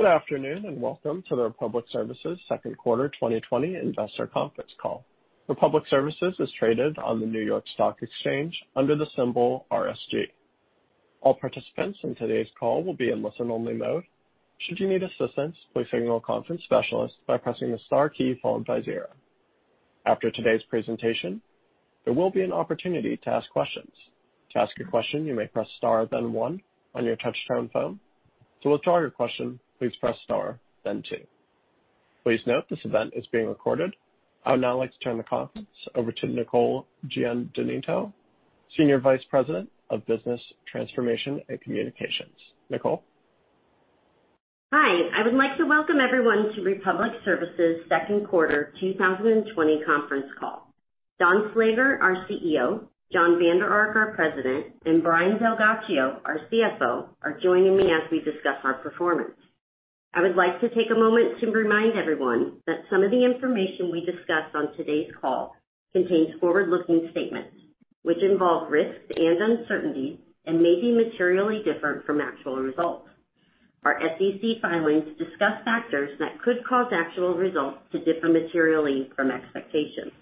Good afternoon, welcome to the Republic Services second quarter 2020 investor conference call. Republic Services is traded on the New York Stock Exchange under the symbol RSG. I would now like to turn the conference over to Nicole Giandinoto, Senior Vice President of Business Transformation and Communications. Nicole? Hi. I would like to welcome everyone to Republic Services' second quarter 2020 conference call. Don Slager, our CEO, Jon Vander Ark, our President, and Brian DelGhiaccio, our CFO, are joining me as we discuss our performance. I would like to take a moment to remind everyone that some of the information we discuss on today's call contains forward-looking statements, which involve risks and uncertainties and may be materially different from actual results. Our SEC filings discuss factors that could cause actual results to differ materially from expectations.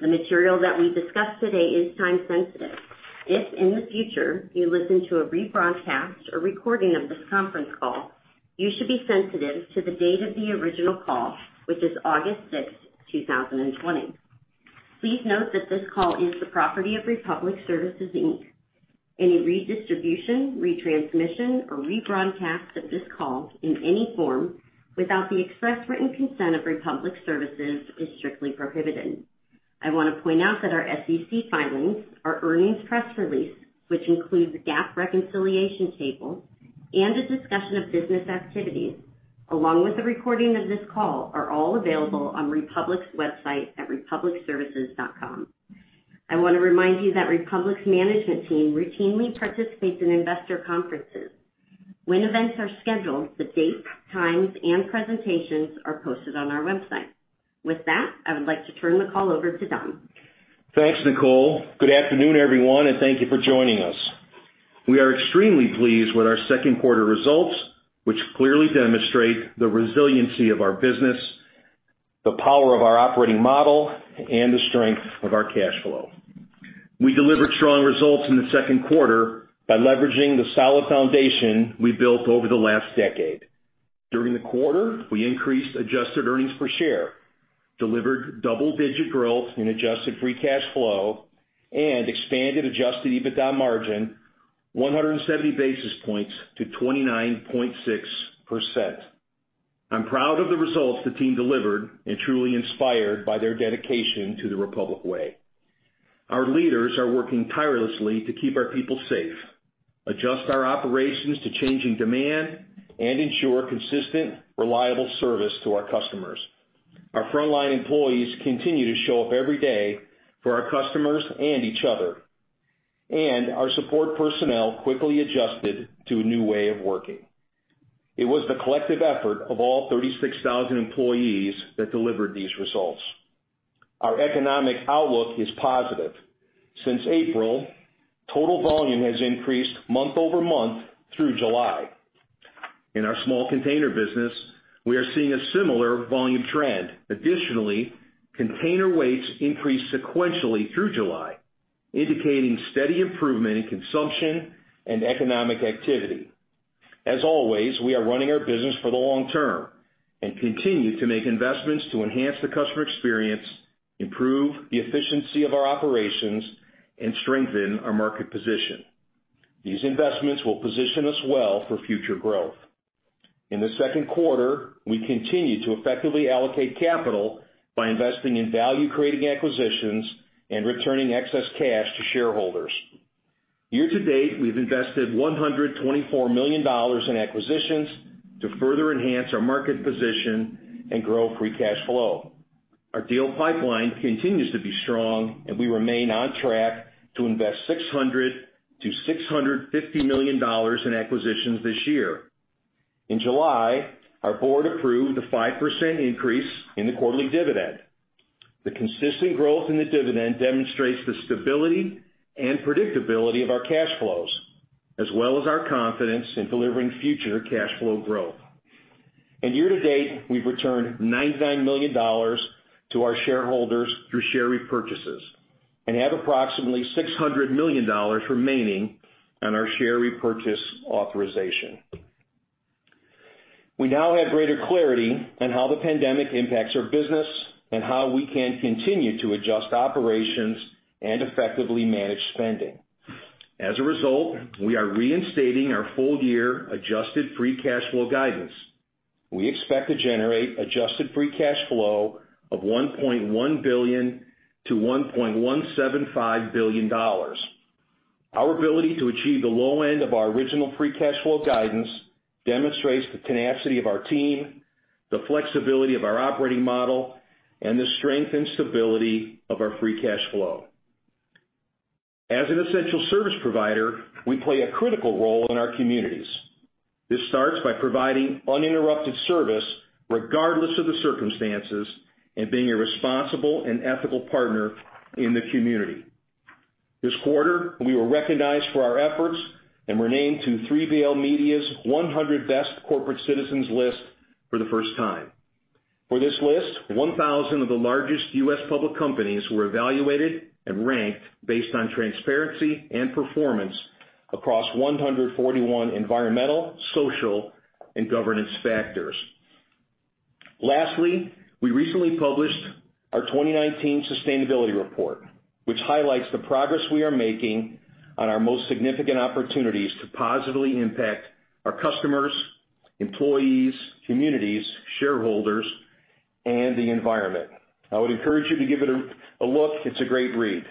The material that we discuss today is time sensitive. If, in the future, you listen to a rebroadcast or recording of this conference call, you should be sensitive to the date of the original call, which is August 6, 2020. Please note that this call is the property of Republic Services Inc. Any redistribution, retransmission, or rebroadcast of this call in any form without the express written consent of Republic Services is strictly prohibited. I want to point out that our SEC filings, our earnings press release, which includes GAAP reconciliation tables and a discussion of business activities, along with the recording of this call, are all available on Republic's website at republicservices.com. I want to remind you that Republic's management team routinely participates in investor conferences. When events are scheduled, the dates, times, and presentations are posted on our website. With that, I would like to turn the call over to Don. Thanks, Nicole. Good afternoon, everyone, and thank you for joining us. We are extremely pleased with our second quarter results, which clearly demonstrate the resiliency of our business, the power of our operating model, and the strength of our cash flow. We delivered strong results in the second quarter by leveraging the solid foundation we built over the last decade. During the quarter, we increased adjusted earnings per share, delivered double-digit growth in adjusted free cash flow, and expanded adjusted EBITDA margin 170 basis points to 29.6%. I'm proud of the results the team delivered and truly inspired by their dedication to the Republic way. Our leaders are working tirelessly to keep our people safe, adjust our operations to changing demand, and ensure consistent, reliable service to our customers. Our frontline employees continue to show up every day for our customers and each other, and our support personnel quickly adjusted to a new way of working. It was the collective effort of all 36,000 employees that delivered these results. Our economic outlook is positive. Since April, total volume has increased month-over-month through July. In our small container business, we are seeing a similar volume trend. Additionally, container weights increased sequentially through July, indicating steady improvement in consumption and economic activity. As always, we are running our business for the long term and continue to make investments to enhance the customer experience, improve the efficiency of our operations, and strengthen our market position. These investments will position us well for future growth. In the second quarter, we continued to effectively allocate capital by investing in value-creating acquisitions and returning excess cash to shareholders. Year-to-date, we've invested $124 million in acquisitions to further enhance our market position and grow free cash flow. Our deal pipeline continues to be strong, and we remain on track to invest $600 million-$650 million in acquisitions this year. In July, our board approved a 5% increase in the quarterly dividend. The consistent growth in the dividend demonstrates the stability and predictability of our cash flows, as well as our confidence in delivering future cash flow growth. Year to date, we've returned $99 million to our shareholders through share repurchases and have approximately $600 million remaining on our share repurchase authorization. We now have greater clarity on how the pandemic impacts our business and how we can continue to adjust operations and effectively manage spending. As a result, we are reinstating our full year adjusted free cash flow guidance. We expect to generate adjusted free cash flow of $1.1 billion-$1.175 billion. Our ability to achieve the low end of our original free cash flow guidance demonstrates the tenacity of our team, the flexibility of our operating model, and the strength and stability of our free cash flow. As an essential service provider, we play a critical role in our communities. This starts by providing uninterrupted service regardless of the circumstances and being a responsible and ethical partner in the community. This quarter, we were recognized for our efforts and were named to 3BL Media's 100 Best Corporate Citizens list for the first time. For this list, 1,000 of the largest U.S. public companies were evaluated and ranked based on transparency and performance across 141 environmental, social, and governance factors. Lastly, we recently published our 2019 sustainability report, which highlights the progress we are making on our most significant opportunities to positively impact our customers, employees, communities, shareholders, and the environment. I would encourage you to give it a look. It's a great read.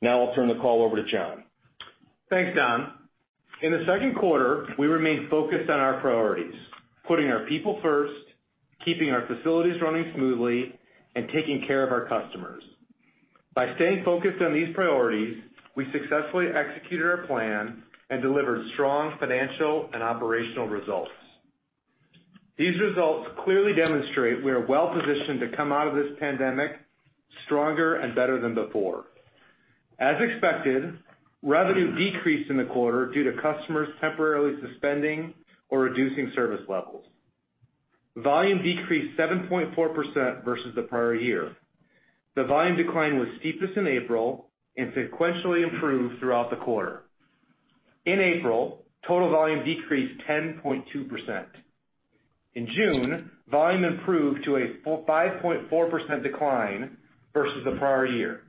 Now, I'll turn the call over to Jon. Thanks, Don. In the second quarter, we remained focused on our priorities, putting our people first, keeping our facilities running smoothly, and taking care of our customers. By staying focused on these priorities, we successfully executed our plan and delivered strong financial and operational results. These results clearly demonstrate we are well-positioned to come out of this pandemic stronger and better than before. As expected, revenue decreased in the quarter due to customers temporarily suspending or reducing service levels. Volume decreased 7.4% versus the prior year. The volume decline was steepest in April and sequentially improved throughout the quarter. In April, total volume decreased 10.2%. In June, volume improved to a 5.4% decline versus the prior year.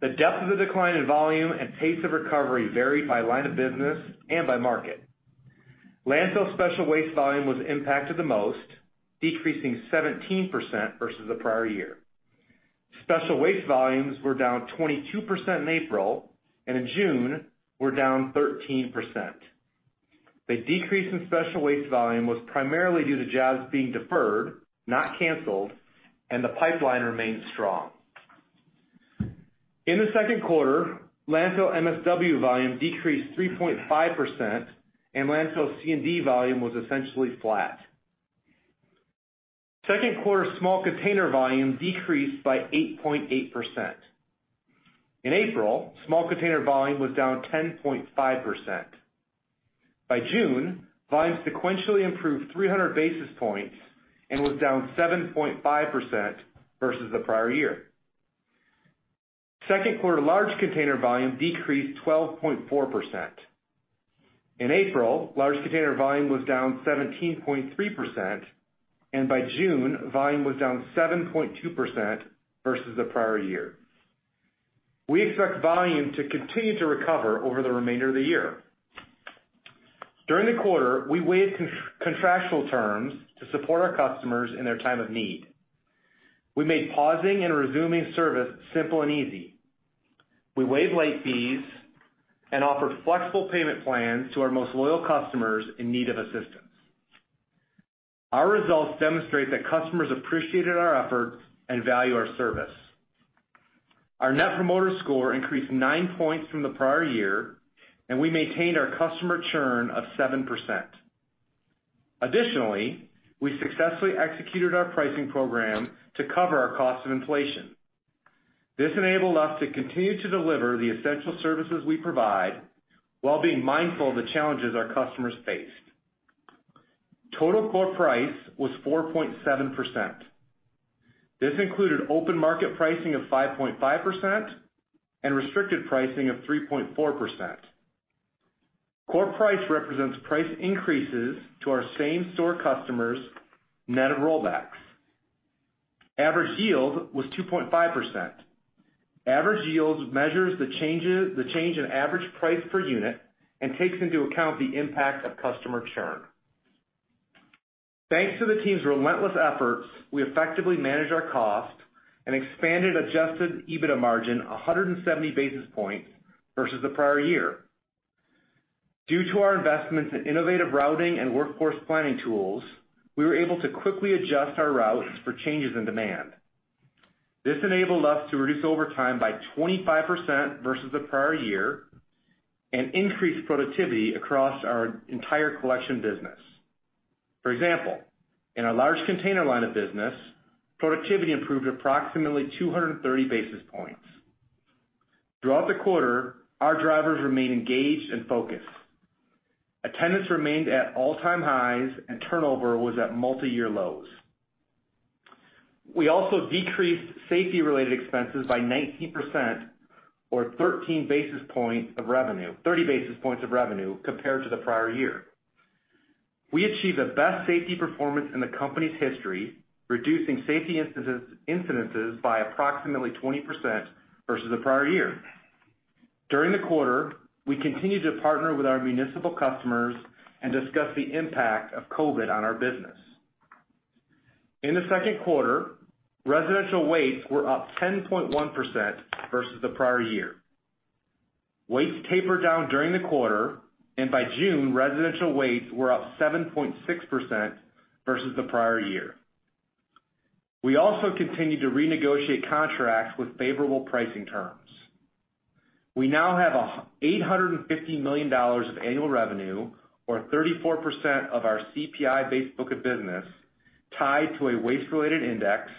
The depth of the decline in volume and pace of recovery varied by line of business and by market. Landfill special waste volume was impacted the most, decreasing 17% versus the prior year. Special waste volumes were down 22% in April, and in June, were down 13%. The decrease in special waste volume was primarily due to jobs being deferred, not canceled, and the pipeline remained strong. In the second quarter, Landfill MSW volume decreased 3.5%, and Landfill C&D volume was essentially flat. Second quarter small container volume decreased by 8.8%. In April, small container volume was down 10.5%. By June, volume sequentially improved 300 basis points and was down 7.5% versus the prior year. Second quarter large container volume decreased 12.4%. In April, large container volume was down 17.3%, and by June, volume was down 7.2% versus the prior year. We expect volume to continue to recover over the remainder of the year. During the quarter, we waived contractual terms to support our customers in their time of need. We made pausing and resuming service simple and easy. We waived late fees and offered flexible payment plans to our most loyal customers in need of assistance. Our results demonstrate that customers appreciated our efforts and value our service. Our Net Promoter Score increased nine points from the prior year, and we maintained our customer churn of 7%. Additionally, we successfully executed our pricing program to cover our cost of inflation. This enabled us to continue to deliver the essential services we provide while being mindful of the challenges our customers faced. Total core price was 4.7%. This included open market pricing of 5.5% and restricted pricing of 3.4%. Core price represents price increases to our same store customers, net of rollbacks. Average yield was 2.5%. Average yield measures the change in average price per unit and takes into account the impact of customer churn. Thanks to the team's relentless efforts, we effectively managed our cost and expanded adjusted EBITDA margin 170 basis points versus the prior year. Due to our investments in innovative routing and workforce planning tools, we were able to quickly adjust our routes for changes in demand. This enabled us to reduce overtime by 25% versus the prior year and increase productivity across our entire collection business. For example, in our large container line of business, productivity improved approximately 230 basis points. Throughout the quarter, our drivers remained engaged and focused. Attendance remained at all-time highs, and turnover was at multi-year lows. We also decreased safety-related expenses by 19% or 30 basis points of revenue compared to the prior year. We achieved the best safety performance in the company's history, reducing safety incidences by approximately 20% versus the prior year. During the quarter, we continued to partner with our municipal customers and discuss the impact of COVID on our business. In the second quarter, residential weights were up 10.1% versus the prior year. Weights tapered down during the quarter, by June, residential weights were up 7.6% versus the prior year. We also continued to renegotiate contracts with favorable pricing terms. We now have $850 million of annual revenue or 34% of our CPI-based book of business tied to a waste related index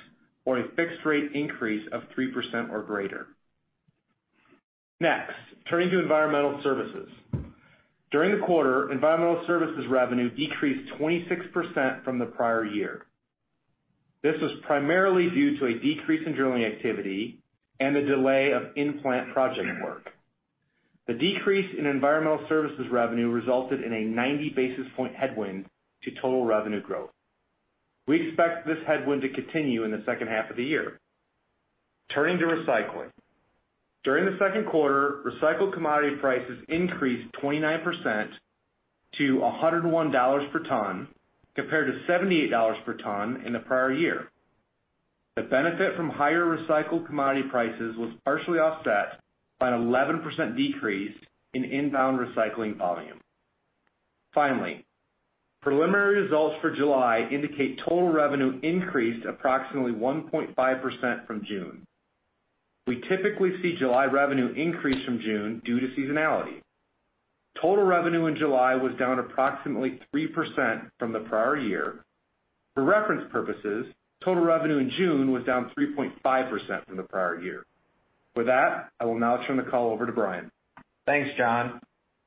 or a fixed rate increase of 3% or greater. Next, turning to Environmental Services. During the quarter, Environmental Services revenue decreased 26% from the prior year. This was primarily due to a decrease in drilling activity and the delay of in-plant project work. The decrease in Environmental Services revenue resulted in a 90 basis points headwind to total revenue growth. We expect this headwind to continue in the second half of the year. Turning to recycling. During the second quarter, recycled commodity prices increased 29% to $101 per ton, compared to $78 per ton in the prior year. The benefit from higher recycled commodity prices was partially offset by an 11% decrease in inbound recycling volume. Preliminary results for July indicate total revenue increased approximately 1.5% from June. We typically see July revenue increase from June due to seasonality. Total revenue in July was down approximately 3% from the prior year. For reference purposes, total revenue in June was down 3.5% from the prior year. With that, I will now turn the call over to Brian. Thanks, Jon.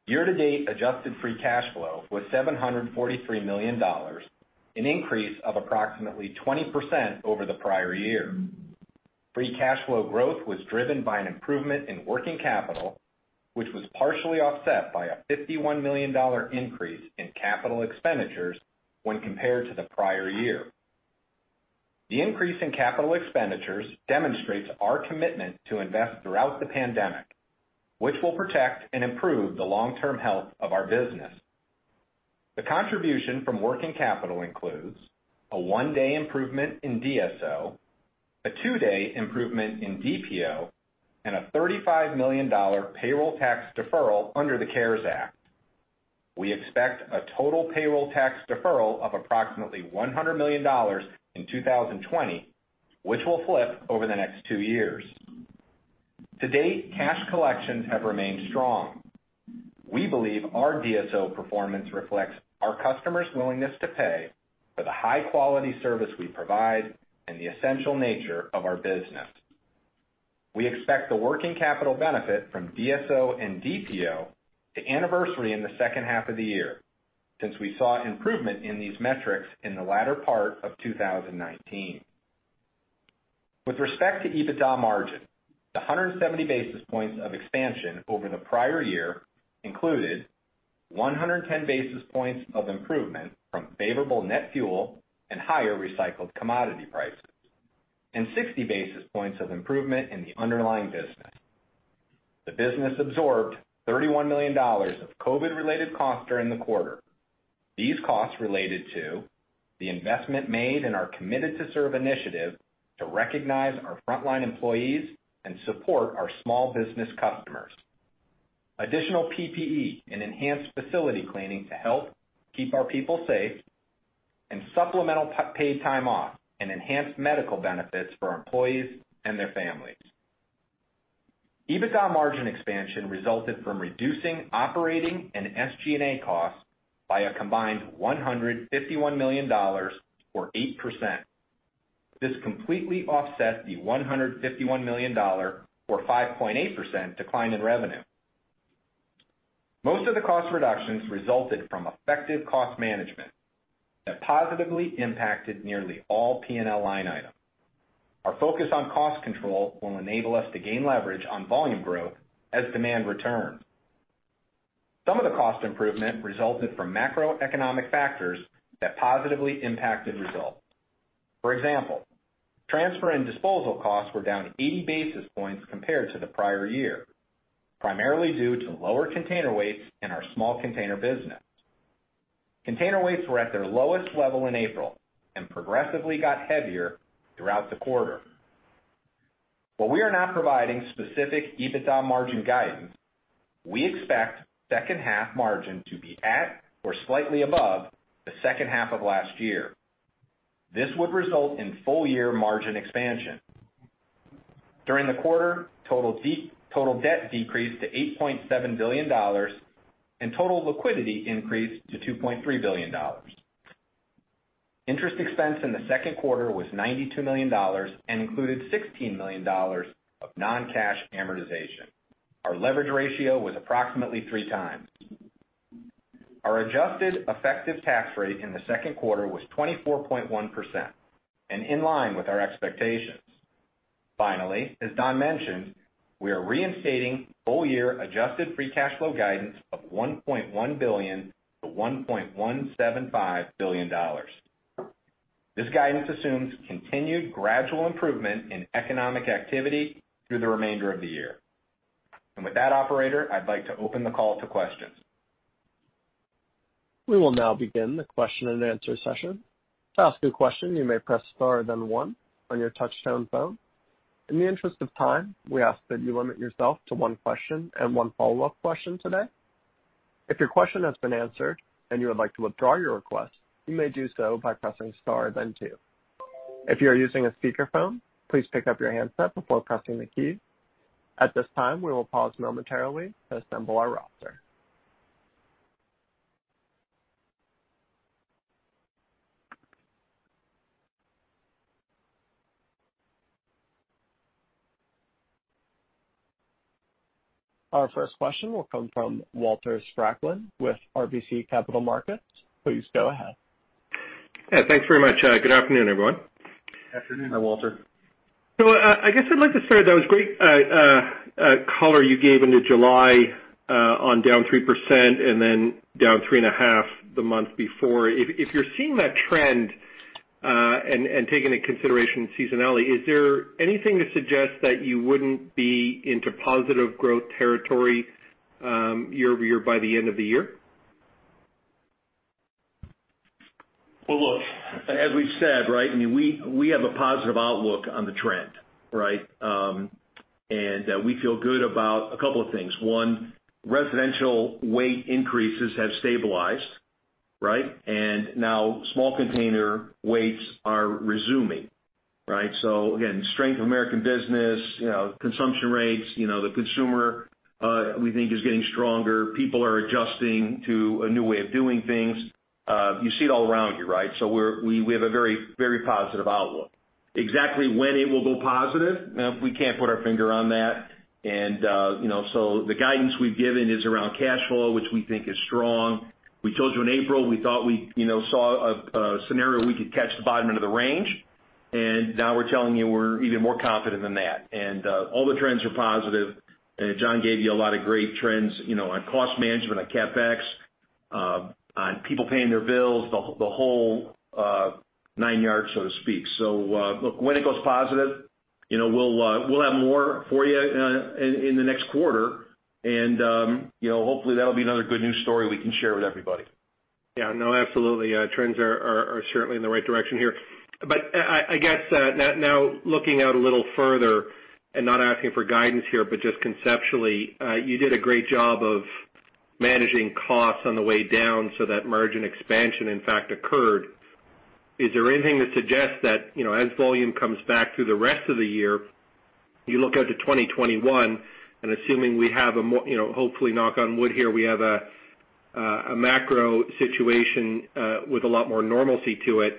Year-to-date adjusted free cash flow was $743 million, an increase of approximately 20% over the prior year. Free cash flow growth was driven by an improvement in working capital, which was partially offset by a $51 million increase in capital expenditures when compared to the prior year. The increase in capital expenditures demonstrates our commitment to invest throughout the pandemic, which will protect and improve the long-term health of our business. The contribution from working capital includes a one-day improvement in DSO, a two-day improvement in DPO, and a $35 million payroll tax deferral under the CARES Act. We expect a total payroll tax deferral of approximately $100 million in 2020, which will flip over the next two years. To date, cash collections have remained strong. We believe our DSO performance reflects our customers' willingness to pay for the high-quality service we provide and the essential nature of our business. We expect the working capital benefit from DSO and DPO to anniversary in the second half of the year, since we saw improvement in these metrics in the latter part of 2019. With respect to EBITDA margin, the 170 basis points of expansion over the prior year included 110 basis points of improvement from favorable net fuel and higher recycled commodity prices and 60 basis points of improvement in the underlying business. The business absorbed $31 million of COVID-related costs during the quarter. These costs related to the investment made in our Committed to Serve initiative to recognize our frontline employees and support our small business customers. Additional PPE and enhanced facility cleaning to help keep our people safe and supplemental paid time off and enhanced medical benefits for our employees and their families. EBITDA margin expansion resulted from reducing operating and SG&A costs by a combined $151 million, or 8%. This completely offset the $151 million, or 5.8% decline in revenue. Most of the cost reductions resulted from effective cost management that positively impacted nearly all P&L line items. Our focus on cost control will enable us to gain leverage on volume growth as demand returns. Some of the cost improvement resulted from macroeconomic factors that positively impacted results. For example, transfer and disposal costs were down 80 basis points compared to the prior year, primarily due to lower container weights in our small container business. Container weights were at their lowest level in April and progressively got heavier throughout the quarter. While we are not providing specific EBITDA margin guidance, we expect second half margin to be at or slightly above the second half of last year. This would result in full-year margin expansion. During the quarter, total debt decreased to $8.7 billion, and total liquidity increased to $2.3 billion. Interest expense in the second quarter was $92 million and included $16 million of non-cash amortization. Our leverage ratio was approximately three times. Our adjusted effective tax rate in the second quarter was 24.1% and in line with our expectations. Finally, as Don mentioned, we are reinstating full-year adjusted free cash flow guidance of $1.1 billion-$1.175 billion. This guidance assumes continued gradual improvement in economic activity through the remainder of the year. With that, operator, I'd like to open the call to questions. Our first question will come from Walter Spracklin with RBC Capital Markets. Please go ahead. Yeah, thanks very much. Good afternoon, everyone. Afternoon. Hi, Walter. I guess I'd like to start, that was great color you gave into July on down 3% and then down 3.5% the month before. If you're seeing that trend, and taking into consideration seasonality, is there anything to suggest that you wouldn't be into positive growth territory year-over-year by the end of the year? Look, as we've said, right, we have a positive outlook on the trend, and we feel good about a couple of things. One, residential weight increases have stabilized. Now small container weights are resuming. Again, strength of American business, consumption rates, the consumer, we think, is getting stronger. People are adjusting to a new way of doing things. You see it all around you, right? We have a very positive outlook. Exactly when it will go positive, we can't put our finger on that. The guidance we've given is around cash flow, which we think is strong. We told you in April, we thought we saw a scenario we could catch the bottom end of the range, and now we're telling you we're even more confident than that. All the trends are positive. Jon gave you a lot of great trends on cost management, on CapEx, on people paying their bills, the whole nine yards, so to speak. Look, when it goes positive, we'll have more for you in the next quarter, and hopefully that'll be another good news story we can share with everybody. Yeah, no, absolutely. Trends are certainly in the right direction here. I guess now looking out a little further and not asking for guidance here, but just conceptually, you did a great job of managing costs on the way down so that margin expansion in fact occurred. Is there anything that suggests that as volume comes back through the rest of the year, you look out to 2021 and assuming we have a more, hopefully knock on wood here, we have a macro situation with a lot more normalcy to it?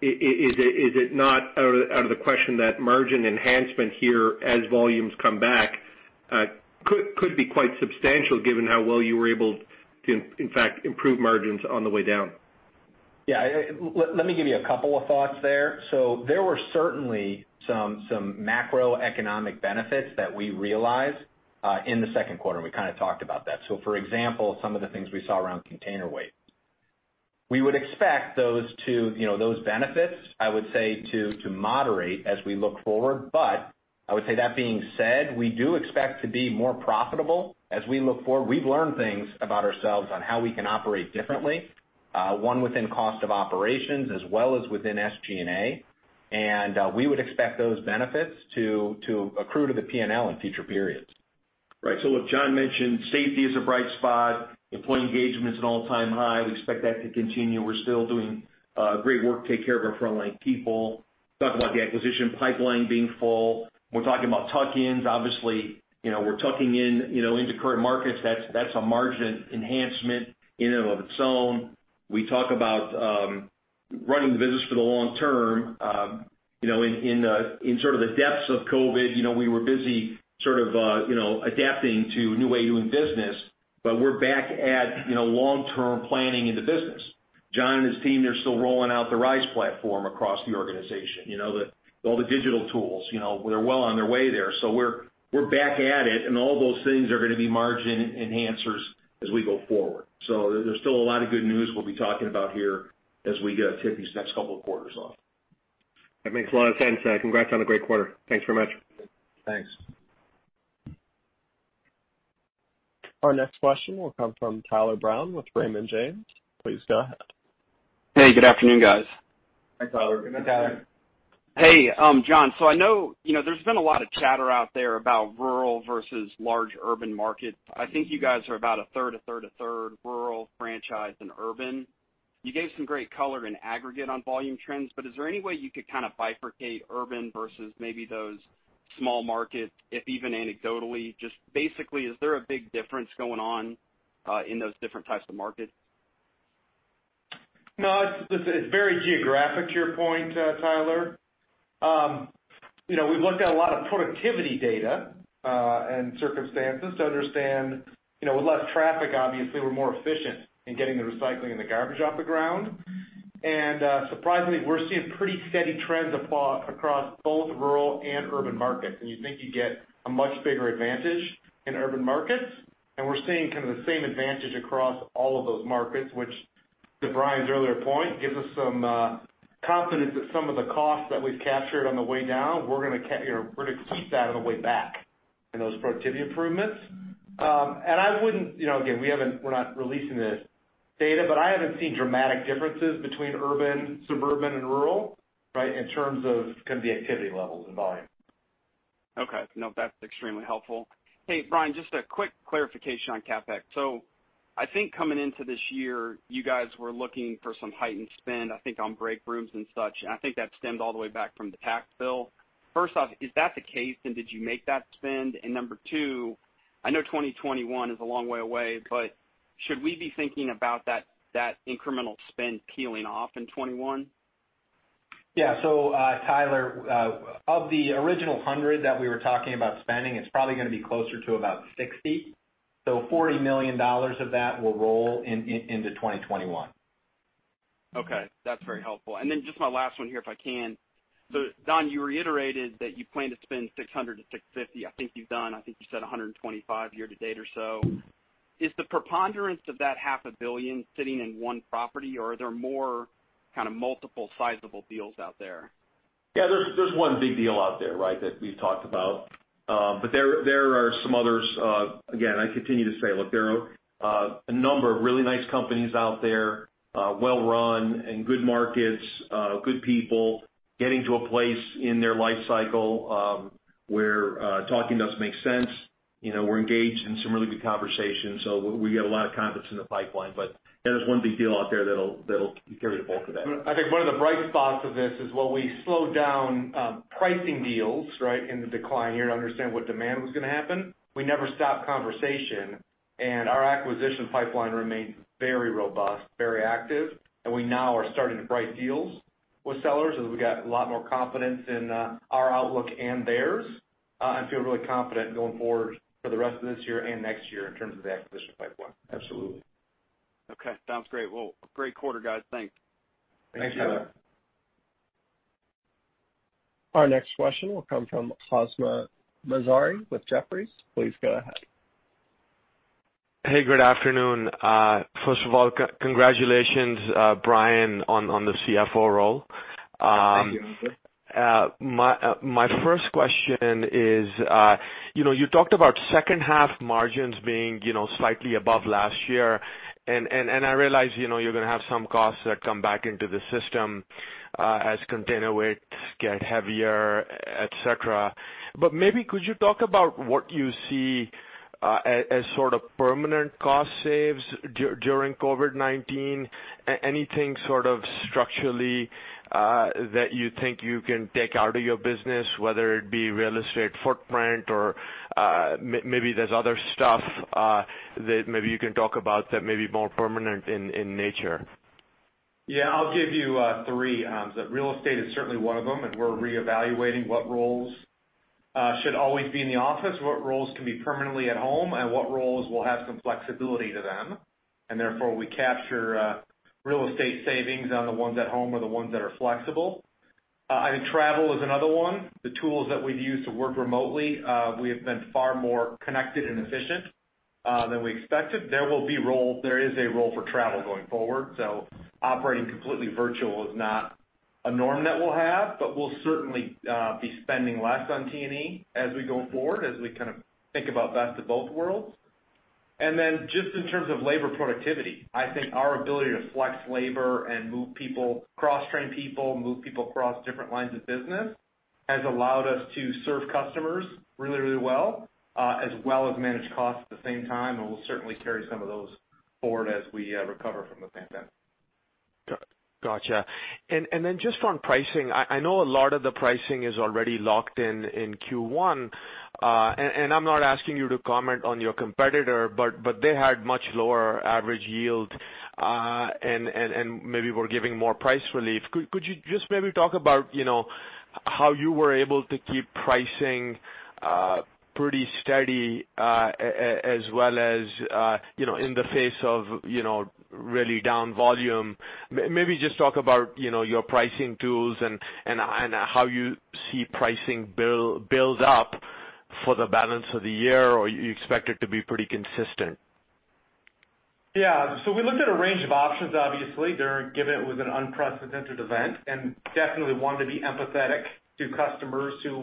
Is it not out of the question that margin enhancement here as volumes come back could be quite substantial given how well you were able to, in fact, improve margins on the way down? Let me give you a couple of thoughts there. There were certainly some macroeconomic benefits that we realized in the second quarter, and we kind of talked about that. For example, some of the things we saw around container weight. We would expect those benefits, I would say, to moderate as we look forward. I would say that being said, we do expect to be more profitable as we look forward. We've learned things about ourselves on how we can operate differently, one within cost of operations as well as within SG&A. We would expect those benefits to accrue to the P&L in future periods. Right. Look, Jon mentioned safety is a bright spot. Employee engagement is at an all-time high. We expect that to continue. We're still doing great work taking care of our frontline people. Talk about the acquisition pipeline being full. We're talking about tuck-ins. Obviously, we're tucking into current markets. That's a margin enhancement in and of its own. We talk about running the business for the long term. In sort of the depths of COVID, we were busy sort of adapting to a new way of doing business. We're back at long-term planning in the business. Jon and his team, they're still rolling out the RISE platform across the organization. All the digital tools, they're well on their way there. We're back at it, and all those things are going to be margin enhancers as we go forward. There's still a lot of good news we'll be talking about here as we hit these next couple of quarters off. That makes a lot of sense. Congrats on a great quarter. Thanks very much. Thanks. Our next question will come from Tyler Brown with Raymond James. Please go ahead. Hey, good afternoon, guys. Hi, Tyler. Good afternoon. Hey, Jon. I know there's been a lot of chatter out there about rural versus large urban markets. I think you guys are about a third, a third, a third rural, franchise, and urban. You gave some great color in aggregate on volume trends, but is there any way you could kind of bifurcate urban versus maybe those small markets, if even anecdotally? Just basically, is there a big difference going on in those different types of markets? No, it's very geographic to your point, Tyler. We've looked at a lot of productivity data and circumstances to understand with less traffic, obviously, we're more efficient in getting the recycling and the garbage off the ground. Surprisingly, we're seeing pretty steady trends across both rural and urban markets. You think you get a much bigger advantage in urban markets, and we're seeing kind of the same advantage across all of those markets, which to Brian's earlier point, gives us some confidence that some of the costs that we've captured on the way down, we're going to keep that on the way back in those productivity improvements. I wouldn't, again, we're not releasing this data, but I haven't seen dramatic differences between urban, suburban, and rural in terms of kind of the activity levels and volume. Okay. No, that's extremely helpful. Hey, Brian, just a quick clarification on CapEx. I think coming into this year, you guys were looking for some heightened spend, I think on break rooms and such, and I think that stemmed all the way back from the tax bill. First off, is that the case and did you make that spend? Number two, I know 2021 is a long way away, but should we be thinking about that incremental spend peeling off in 2021? Yeah. Tyler, of the original 100 that we were talking about spending, it's probably going to be closer to about $60 million-$40 million of that will roll into 2021. Okay. That's very helpful. Just my last one here, if I can. Don, you reiterated that you plan to spend $600 million-$650 million. I think you said $125 million year to date or so. Is the preponderance of that half a billion sitting in one property, or are there more kind of multiple sizable deals out there? Yeah, there's one big deal out there, right, that we've talked about. There are some others. Again, I continue to say, look, there are a number of really nice companies out there, well-run and good markets, good people getting to a place in their life cycle, where talking to us makes sense. We're engaged in some really good conversations, we got a lot of confidence in the pipeline. That is one big deal out there that'll carry the bulk of that. I think one of the bright spots of this is while we slowed down pricing deals, right, in the decline here to understand what demand was going to happen. We never stopped conversation, and our acquisition pipeline remained very robust, very active, and we now are starting to price deals with sellers as we got a lot more confidence in our outlook and theirs. I feel really confident going forward for the rest of this year and next year in terms of the acquisition pipeline. Absolutely. Okay, sounds great. Well, great quarter, guys. Thanks. Thanks, Tyler. Thanks, Tyler. Our next question will come from Asma Mazhari with Jefferies. Please go ahead. Hey, good afternoon. First of all, congratulations, Brian, on the CFO role. Thank you. My first question is, you talked about second half margins being slightly above last year, and I realize you're going to have some costs that come back into the system as container weights get heavier, et cetera. Maybe could you talk about what you see as sort of permanent cost saves during COVID-19? Anything sort of structurally that you think you can take out of your business, whether it be real estate footprint or maybe there's other stuff that maybe you can talk about that may be more permanent in nature? Yeah. I'll give you three. The real estate is certainly one of them, and we're reevaluating what roles should always be in the office, what roles can be permanently at home, and what roles will have some flexibility to them, and therefore we capture real estate savings on the ones at home or the ones that are flexible. I think travel is another one. The tools that we've used to work remotely, we have been far more connected and efficient than we expected. There is a role for travel going forward, so operating completely virtual is not a norm that we'll have, but we'll certainly be spending less on T&E as we go forward, as we kind of think about best of both worlds. Just in terms of labor productivity, I think our ability to flex labor and move people, cross-train people, move people across different lines of business, has allowed us to serve customers really well, as well as manage costs at the same time. We'll certainly carry some of those forward as we recover from the pandemic. Got you. Just on pricing, I know a lot of the pricing is already locked in in Q1. I'm not asking you to comment on your competitor, but they had much lower average yield, and maybe were giving more price relief. Could you just maybe talk about how you were able to keep pricing pretty steady, as well as in the face of really down volume. Maybe just talk about your pricing tools and how you see pricing build up for the balance of the year, or you expect it to be pretty consistent. Yeah. We looked at a range of options, obviously. Given it was an unprecedented event, definitely wanted to be empathetic to customers who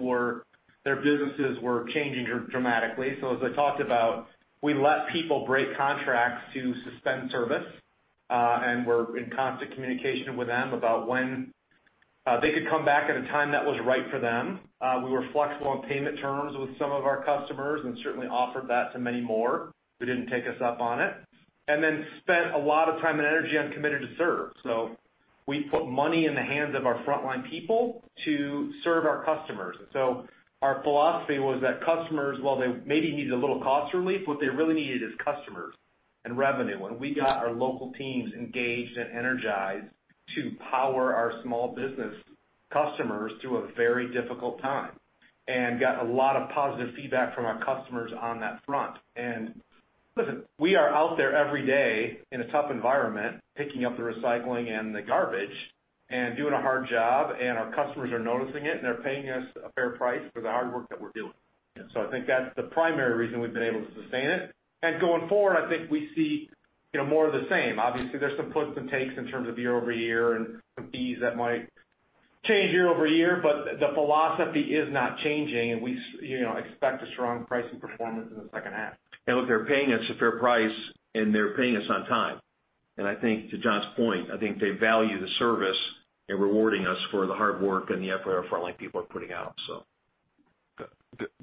their businesses were changing dramatically. As I talked about, we let people break contracts to suspend service, and we're in constant communication with them about when they could come back at a time that was right for them. We were flexible on payment terms with some of our customers and certainly offered that to many more who didn't take us up on it. Then spent a lot of time and energy on Committed to Serve. We put money in the hands of our frontline people to serve our customers. Our philosophy was that customers, while they maybe needed a little cost relief, what they really needed is customers and revenue. We got our local teams engaged and energized to power our small business customers through a very difficult time, and got a lot of positive feedback from our customers on that front. Listen, we are out there every day in a tough environment, picking up the recycling and the garbage and doing a hard job, and our customers are noticing it, and they're paying us a fair price for the hard work that we're doing. I think that's the primary reason we've been able to sustain it. Going forward, I think we see more of the same. Obviously, there's some puts and takes in terms of year-over-year and some fees that might change year-over-year, the philosophy is not changing, and we expect a strong pricing performance in the second half. Look, they're paying us a fair price and they're paying us on time. I think to Jon's point, I think they value the service and rewarding us for the hard work and the effort our frontline people are putting out.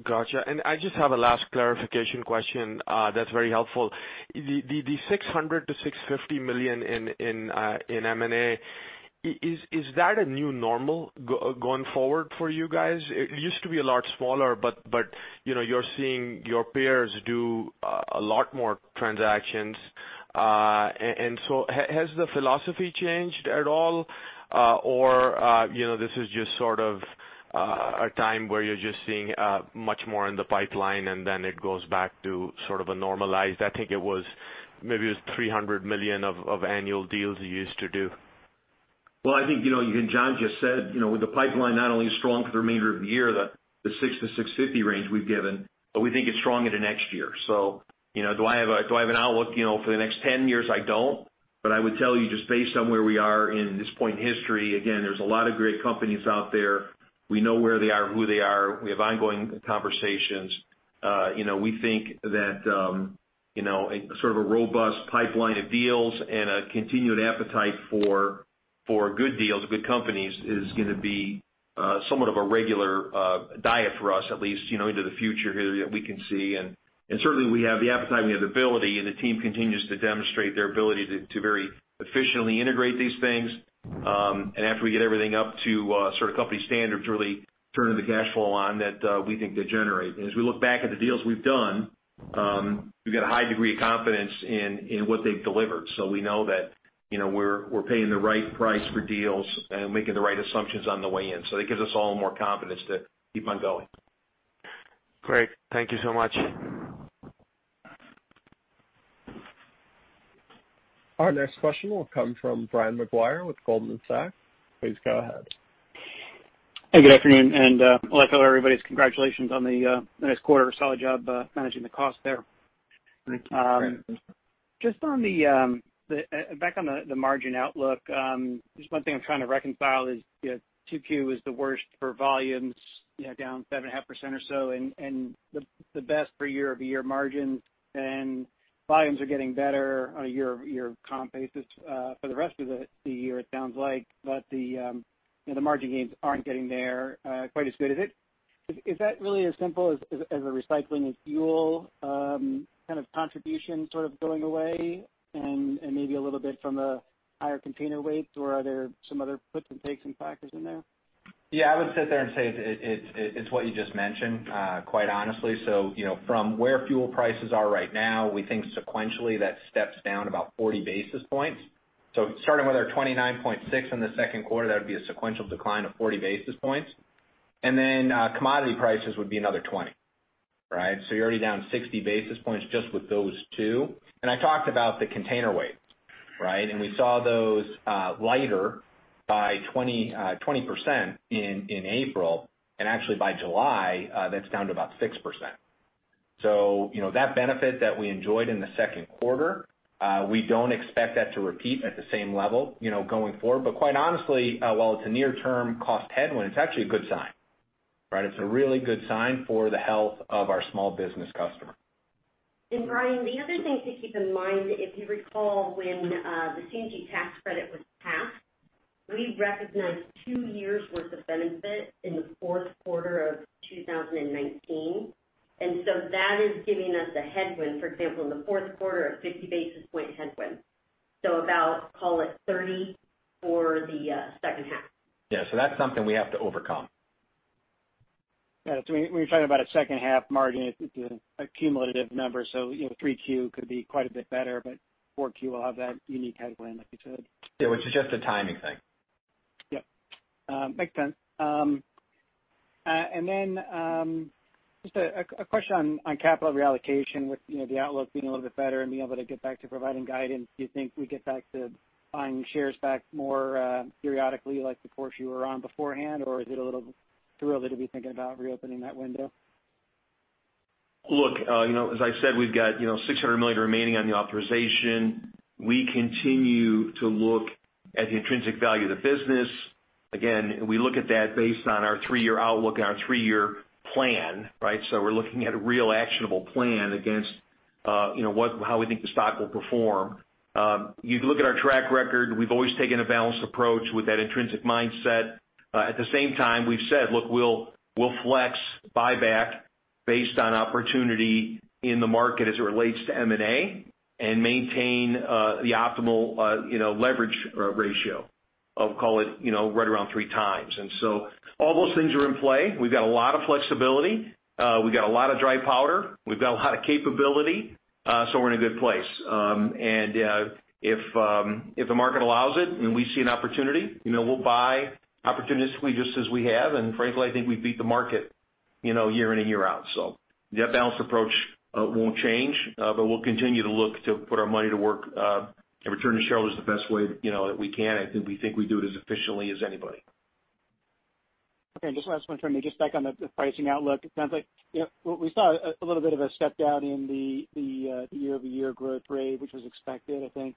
Got you. I just have a last clarification question that's very helpful. The $600 million-$650 million in M&A, is that a new normal going forward for you guys? It used to be a lot smaller, but you're seeing your peers do a lot more transactions. Has the philosophy changed at all, or this is just sort of a time where you're just seeing much more in the pipeline and then it goes back to sort of a normalized, I think it was maybe it was $300 million of annual deals you used to do. I think, as Jon just said, with the pipeline not only strong for the remainder of the year, the 6-650 range we've given, but we think it's strong into next year. Do I have an outlook for the next 10 years? I don't. I would tell you, just based on where we are in this point in history, again, there's a lot of great companies out there. We know where they are, who they are. We have ongoing conversations. We think that sort of a robust pipeline of deals and a continued appetite for good deals, good companies, is going to be somewhat of a regular diet for us, at least into the future here that we can see. Certainly we have the appetite, we have the ability, and the team continues to demonstrate their ability to very efficiently integrate these things. After we get everything up to sort of company standards, really turning the cash flow on that we think they generate. As we look back at the deals we've done, we've got a high degree of confidence in what they've delivered. We know that we're paying the right price for deals and making the right assumptions on the way in. It gives us all more confidence to keep on going. Great. Thank you so much. Our next question will come from Brian Maguire with Goldman Sachs. Please go ahead. Good afternoon, and like everybody else, congratulations on the nice quarter. Solid job managing the cost there. Thank you. Just back on the margin outlook, just one thing I'm trying to reconcile is 2Q is the worst for volumes, down 7.5% or so, and the best for year-over-year margin. Volumes are getting better on a year-over-year comp basis for the rest of the year, it sounds like. The margin gains aren't getting there quite as good. Is that really as simple as the recycling of fuel kind of contribution sort of going away and maybe a little bit from a higher container weight? Are there some other puts and takes and factors in there? Yeah, I would sit there and say it's what you just mentioned, quite honestly. From where fuel prices are right now, we think sequentially that steps down about 40 basis points. Starting with our 29.6 in the second quarter, that would be a sequential decline of 40 basis points. Then commodity prices would be another 20. You're already down 60 basis points just with those two. I talked about the container weights. We saw those lighter by 20% in April. Actually by July, that's down to about 6%. That benefit that we enjoyed in the second quarter, we don't expect that to repeat at the same level going forward. Quite honestly, while it's a near term cost headwind, it's actually a good sign. It's a really good sign for the health of our small business customer. Brian, the other thing to keep in mind, if you recall when the CNG tax credit was passed, we recognized two years worth of benefit in the fourth quarter of 2019. That is giving us a headwind, for example, in the fourth quarter of 50 basis point headwind. About call it 30 for the second half. Yeah. That's something we have to overcome. Yeah. When you're talking about a second half margin, it's an accumulative number. 3Q could be quite a bit better, but 4Q will have that unique headwind, like you said. Yeah, which is just a timing thing. Yep. Makes sense. Just a question on capital reallocation with the outlook being a little bit better and being able to get back to providing guidance. Do you think we get back to buying shares back more periodically, like the course you were on beforehand? Or is it a little too early to be thinking about reopening that window? Look, as I said, we've got $600 million remaining on the authorization. We continue to look at the intrinsic value of the business. Again, we look at that based on our three-year outlook and our three-year plan. We're looking at a real actionable plan against how we think the stock will perform. You can look at our track record. We've always taken a balanced approach with that intrinsic mindset. At the same time, we've said, look, we'll flex buyback based on opportunity in the market as it relates to M&A and maintain the optimal leverage ratio of call it right around three times. All those things are in play. We've got a lot of flexibility. We've got a lot of dry powder. We've got a lot of capability. We're in a good place. If the market allows it and we see an opportunity, we'll buy opportunistically just as we have. Frankly, I think we beat the market year in and year out. That balanced approach won't change. We'll continue to look to put our money to work and return to shareholders the best way that we can. I think we do it as efficiently as anybody. Okay. Just last one for me, just back on the pricing outlook. It sounds like we saw a little bit of a step down in the year-over-year growth rate, which was expected, I think.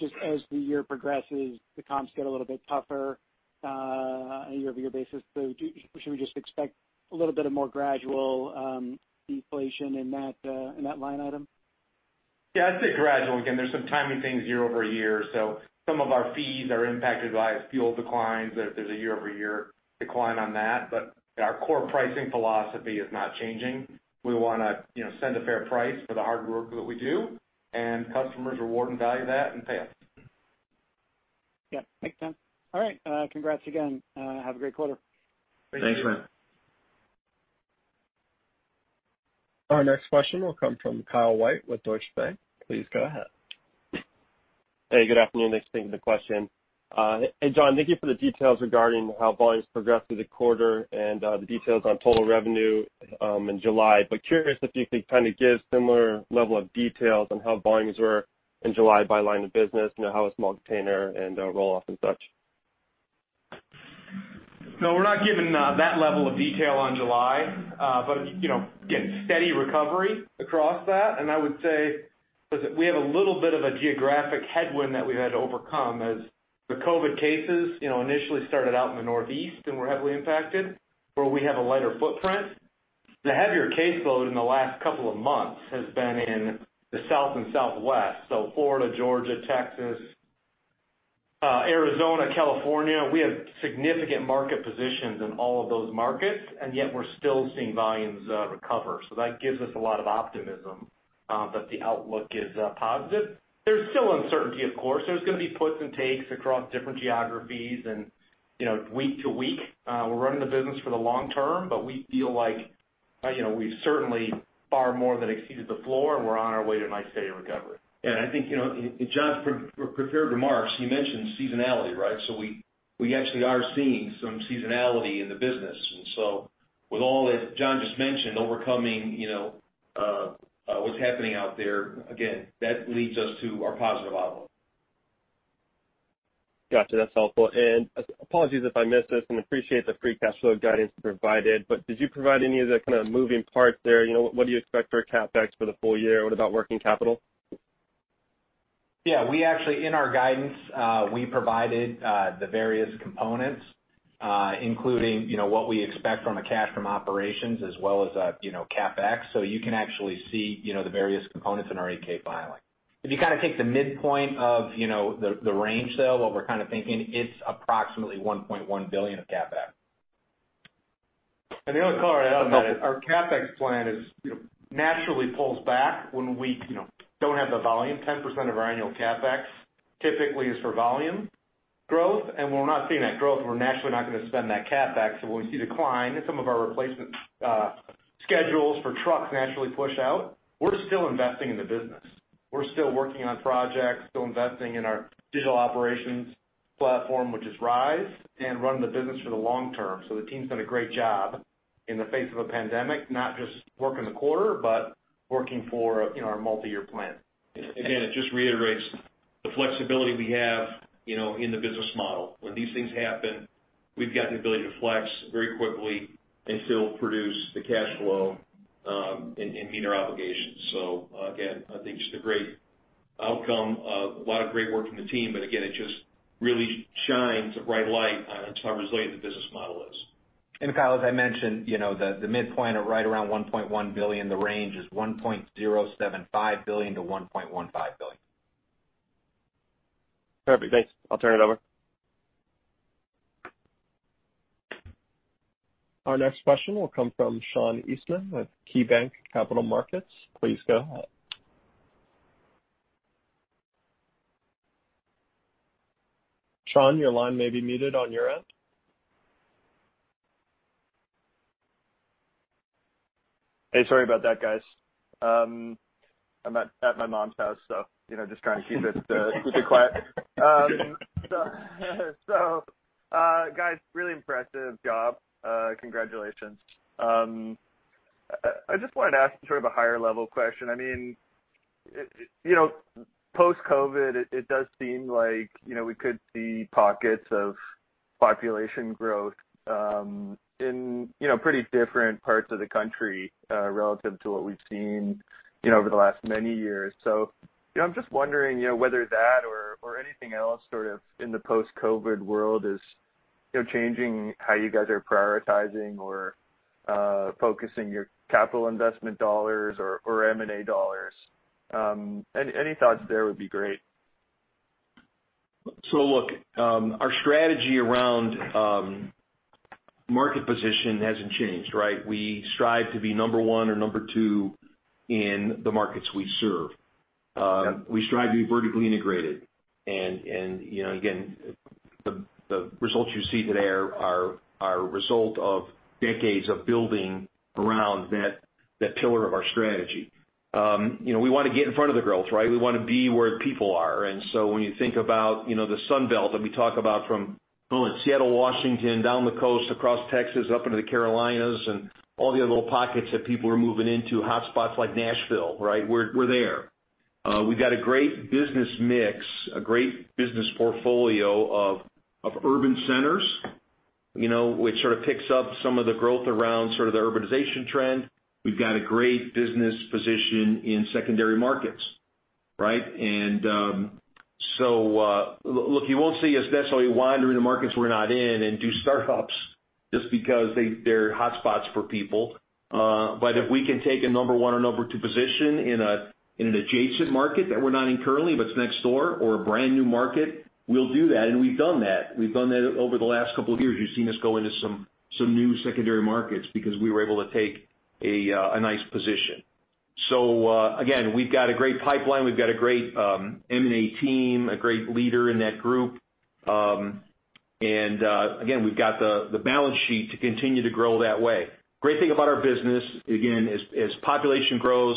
Just as the year progresses, the comps get a little bit tougher year-over-year basis. Should we just expect a little bit of more gradual deflation in that line item? Yeah, I'd say gradual. There's some timing things year-over-year. Some of our fees are impacted by fuel declines. There's a year-over-year decline on that. Our core pricing philosophy is not changing. We want to send a fair price for the hard work that we do, and customers reward and value that and pay us. Yeah, makes sense. All right. Congrats again. Have a great quarter. Thanks, man. Our next question will come from Kyle White with Deutsche Bank. Please go ahead. Hey, good afternoon. Thanks for taking the question. Hey, Jon, thank you for the details regarding how volumes progressed through the quarter and the details on total revenue in July. I am curious if you could give similar level of details on how volumes were in July by line of business, how was small container and roll-off and such? We're not giving that level of detail on July. Again, steady recovery across that, and I would say, we have a little bit of a geographic headwind that we've had to overcome as the COVID cases initially started out in the Northeast and were heavily impacted, where we have a lighter footprint. The heavier caseload in the last couple of months has been in the South and Southwest, so Florida, Georgia, Texas, Arizona, California. We have significant market positions in all of those markets, and yet we're still seeing volumes recover. That gives us a lot of optimism that the outlook is positive. There's still uncertainty, of course. There's going to be puts and takes across different geographies and week to week. We're running the business for the long term, but we feel like we've certainly far more than exceeded the floor, and we're on our way to a nice, steady recovery. I think, in Jon's prepared remarks, he mentioned seasonality, right? We actually are seeing some seasonality in the business. With all that Jon just mentioned, overcoming what's happening out there, again, that leads us to our positive outlook. Got you. That's helpful. Apologies if I missed this, and appreciate the free cash flow guidance you provided, but did you provide any of the kind of moving parts there? What do you expect for CapEx for the full year? What about working capital? Yeah. We actually, in our guidance, we provided the various components, including what we expect from a cash from operations as well as CapEx. You can actually see the various components in our 8-K filing. If you take the midpoint of the range, though, what we're thinking, it's approximately $1.1 billion of CapEx. The other color I'd add on that, our CapEx plan naturally pulls back when we don't have the volume. 10% of our annual CapEx typically is for volume growth. When we're not seeing that growth, we're naturally not going to spend that CapEx. When we see decline, some of our replacement schedules for trucks naturally push out. We're still investing in the business. We're still working on projects, still investing in our digital operations platform, which is RISE, and running the business for the long term. The team's done a great job in the face of a pandemic, not just working the quarter, but working for our multi-year plan. It just reiterates the flexibility we have in the business model. When these things happen, we've got the ability to flex very quickly and still produce the cash flow and meet our obligations. Again, I think just a great outcome of a lot of great work from the team. Again, it just really shines a bright light on just how resilient the business model is. Kyle, as I mentioned, the midpoint of right around $1.1 billion. The range is $1.075 billion-$1.15 billion. Perfect. Thanks. I'll turn it over. Our next question will come from Sean Eastman with KeyBanc Capital Markets. Please go ahead. Sean, your line may be muted on your end. Hey, sorry about that, guys. I'm at my mom's house, just trying to keep it quiet. Guys, really impressive job. Congratulations. I just wanted to ask sort of a higher-level question. Post-COVID, it does seem like we could see pockets of population growth in pretty different parts of the country relative to what we've seen over the last many years. I'm just wondering whether that or anything else sort of in the post-COVID world is changing how you guys are prioritizing or focusing your capital investment dollars or M&A dollars. Any thoughts there would be great. Look, our strategy around market position hasn't changed, right? We strive to be number one or number two in the markets we serve. Yep. We strive to be vertically integrated. Again, the results you see today are a result of decades of building around that pillar of our strategy. We want to get in front of the growth, right? We want to be where the people are. When you think about the Sun Belt that we talk about from Seattle, Washington, down the coast across Texas, up into the Carolinas, and all the other little pockets that people are moving into, hot spots like Nashville, right? We're there. We've got a great business mix, a great business portfolio of urban centers which sort of picks up some of the growth around the urbanization trend. We've got a great business position in secondary markets, right? Look, you won't see us necessarily wandering the markets we're not in and do start-ups just because they're hot spots for people. If we can take a number one or number two position in an adjacent market that we're not in currently, but it's next door or a brand-new market, we'll do that. We've done that. We've done that over the last couple of years. You've seen us go into some new secondary markets because we were able to take a nice position. Again, we've got a great pipeline. We've got a great M&A team, a great leader in that group. Again, we've got the balance sheet to continue to grow that way. Great thing about our business, again, as population grows,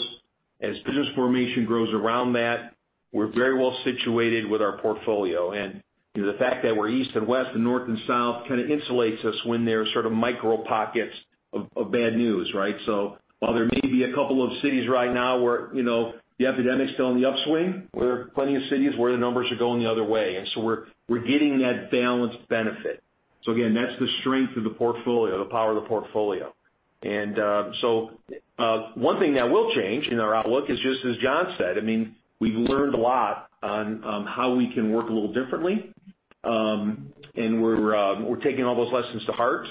as business formation grows around that, we're very well situated with our portfolio. The fact that we're east and west and north and south kind of insulates us when there are sort of micro pockets of bad news, right? While there may be a couple of cities right now where the epidemic's still on the upswing, where plenty of cities where the numbers are going the other way, we're getting that balanced benefit. Again, that's the strength of the portfolio, the power of the portfolio. One thing that will change in our outlook is just as Jon said, we've learned a lot on how we can work a little differently. We're taking all those lessons to heart.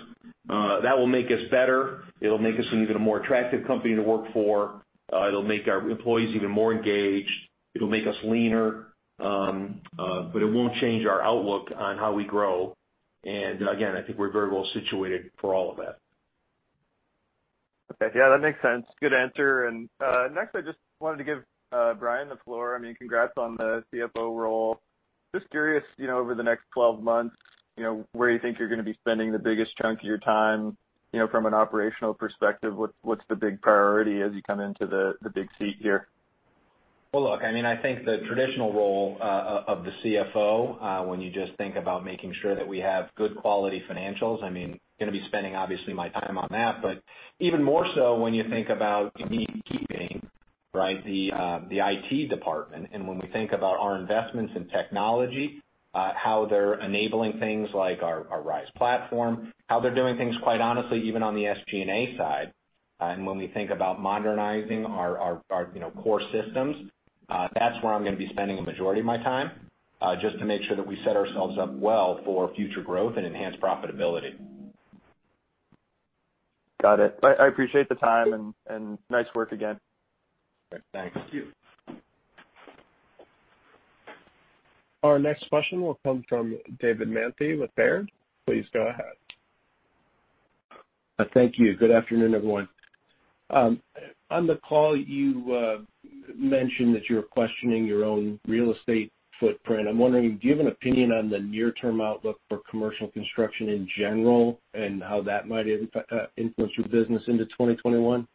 That will make us better. It'll make us an even more attractive company to work for. It'll make our employees even more engaged. It'll make us leaner. It won't change our outlook on how we grow. Again, I think we're very well situated for all of that. Okay. Yeah, that makes sense. Good answer. Next, I just wanted to give Brian the floor. Congrats on the CFO role. Just curious over the next 12 months, where you think you're going to be spending the biggest chunk of your time from an operational perspective, what's the big priority as you come into the big seat here? Well, look, I think the traditional role of the CFO, when you just think about making sure that we have good quality financials, I'm going to be spending obviously my time on that, but even more so when you think about me keeping the IT department. When we think about our investments in technology, how they're enabling things like our RISE platform, how they're doing things, quite honestly, even on the SG&A side. When we think about modernizing our core systems, that's where I'm going to be spending a majority of my time, just to make sure that we set ourselves up well for future growth and enhanced profitability. Got it. I appreciate the time and nice work again. Thanks. Thank you. Our next question will come from David Manthey with Baird. Please go ahead. Thank you. Good afternoon, everyone. On the call, you mentioned that you're questioning your own real estate footprint. I'm wondering, do you have an opinion on the near-term outlook for commercial construction in general, and how that might influence your business into 2021?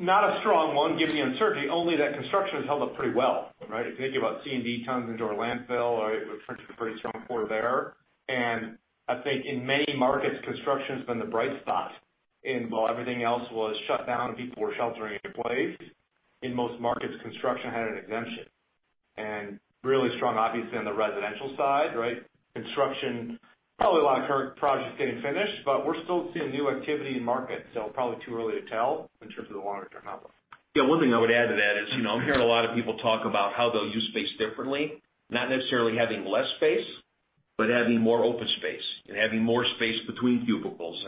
Not a strong one given the uncertainty, only that construction has held up pretty well, right? If you think about C&D tons into our landfill, it was pretty strong quarter there. I think in many markets, construction's been the bright spot in while everything else was shut down and people were sheltering in place. In most markets, construction had an exemption, and really strong, obviously, on the residential side, right? Construction, probably a lot of current projects getting finished, but we're still seeing new activity in markets, so probably too early to tell in terms of the longer-term outlook. Yeah, one thing I would add to that is, I'm hearing a lot of people talk about how they'll use space differently, not necessarily having less space, but having more open space and having more space between cubicles.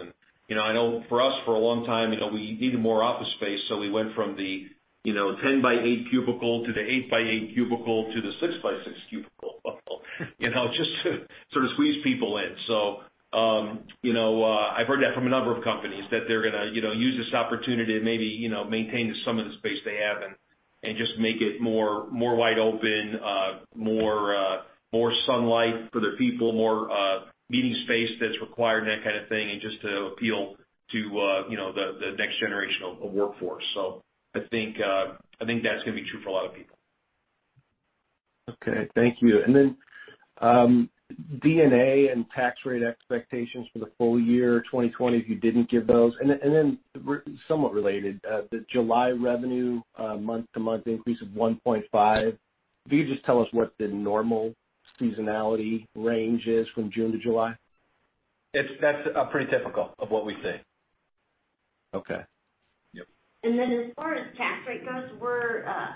I know for us, for a long time, we needed more office space, so we went from the 10 by 8 cubicle to the 8 by 8 cubicle to the 6 by 6 cubicle just to sort of squeeze people in. I've heard that from a number of companies that they're going to use this opportunity to maybe maintain some of the space they have and just make it more wide open, more sunlight for their people, more meeting space that's required and that kind of thing, and just to appeal to the next generation of workforce. I think that's going to be true for a lot of people. Okay. Thank you. D&A and tax rate expectations for the full year 2020, if you didn't give those, and then somewhat related, the July revenue month-to-month increase of 1.5%. Could you just tell us what the normal seasonality range is from June to July? That's pretty typical of what we see. Okay. Yep. As far as tax rate goes,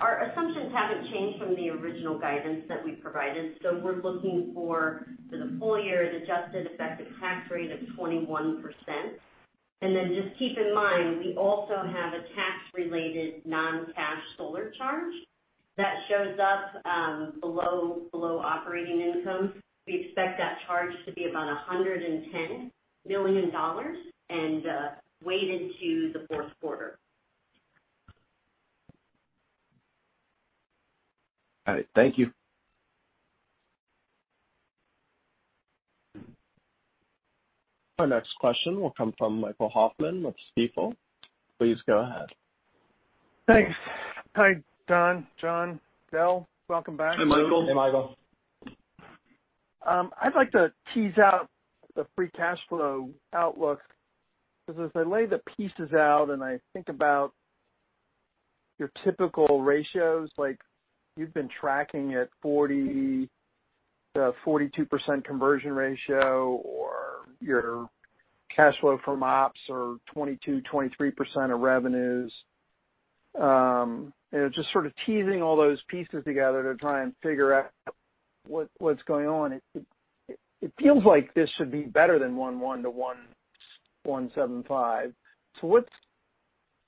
our assumptions haven't changed from the original guidance that we provided. We're looking for the full year, the adjusted effective tax rate of 21%. Just keep in mind, we also have a tax-related non-cash solar charge that shows up below operating income. We expect that charge to be about $110 million and weighed into the fourth quarter. All right. Thank you. Our next question will come from Michael Hoffman with Stifel. Please go ahead. Thanks. Hi, Don, Jon, Brian. Welcome back. Hi, Michael. Hey, Michael. I'd like to tease out the free cash flow outlook, because as I lay the pieces out and I think about your typical ratios, like you've been tracking at 40%, 42% conversion ratio or your cash flow from ops or 22%, 23% of revenues. Sort of teasing all those pieces together to try and figure out what's going on. It feels like this should be better than 1.1-1.75.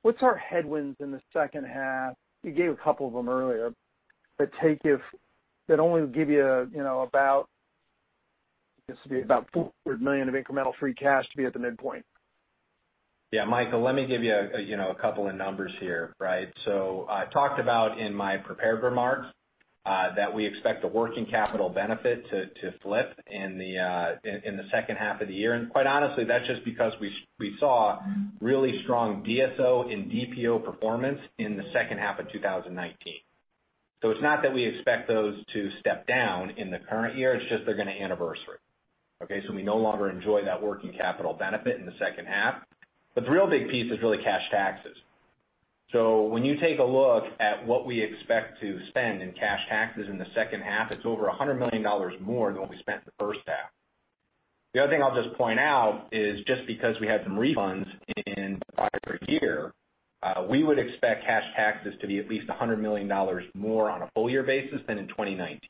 What's our headwinds in the second half? You gave a couple of them earlier that only give you about $400 million of incremental free cash to be at the midpoint. Yeah, Michael, let me give you a couple of numbers here. I talked about in my prepared remarks that we expect the working capital benefit to flip in the second half of the year. Quite honestly, that's just because we saw really strong DSO and DPO performance in the second half of 2019. It's not that we expect those to step down in the current year, it's just they're going to anniversary. We no longer enjoy that working capital benefit in the second half. The real big piece is really cash taxes. When you take a look at what we expect to spend in cash taxes in the second half, it's over $100 million more than what we spent in the first half. The other thing I'll just point out is just because we had some refunds in the prior year, we would expect cash taxes to be at least $100 million more on a full year basis than in 2019.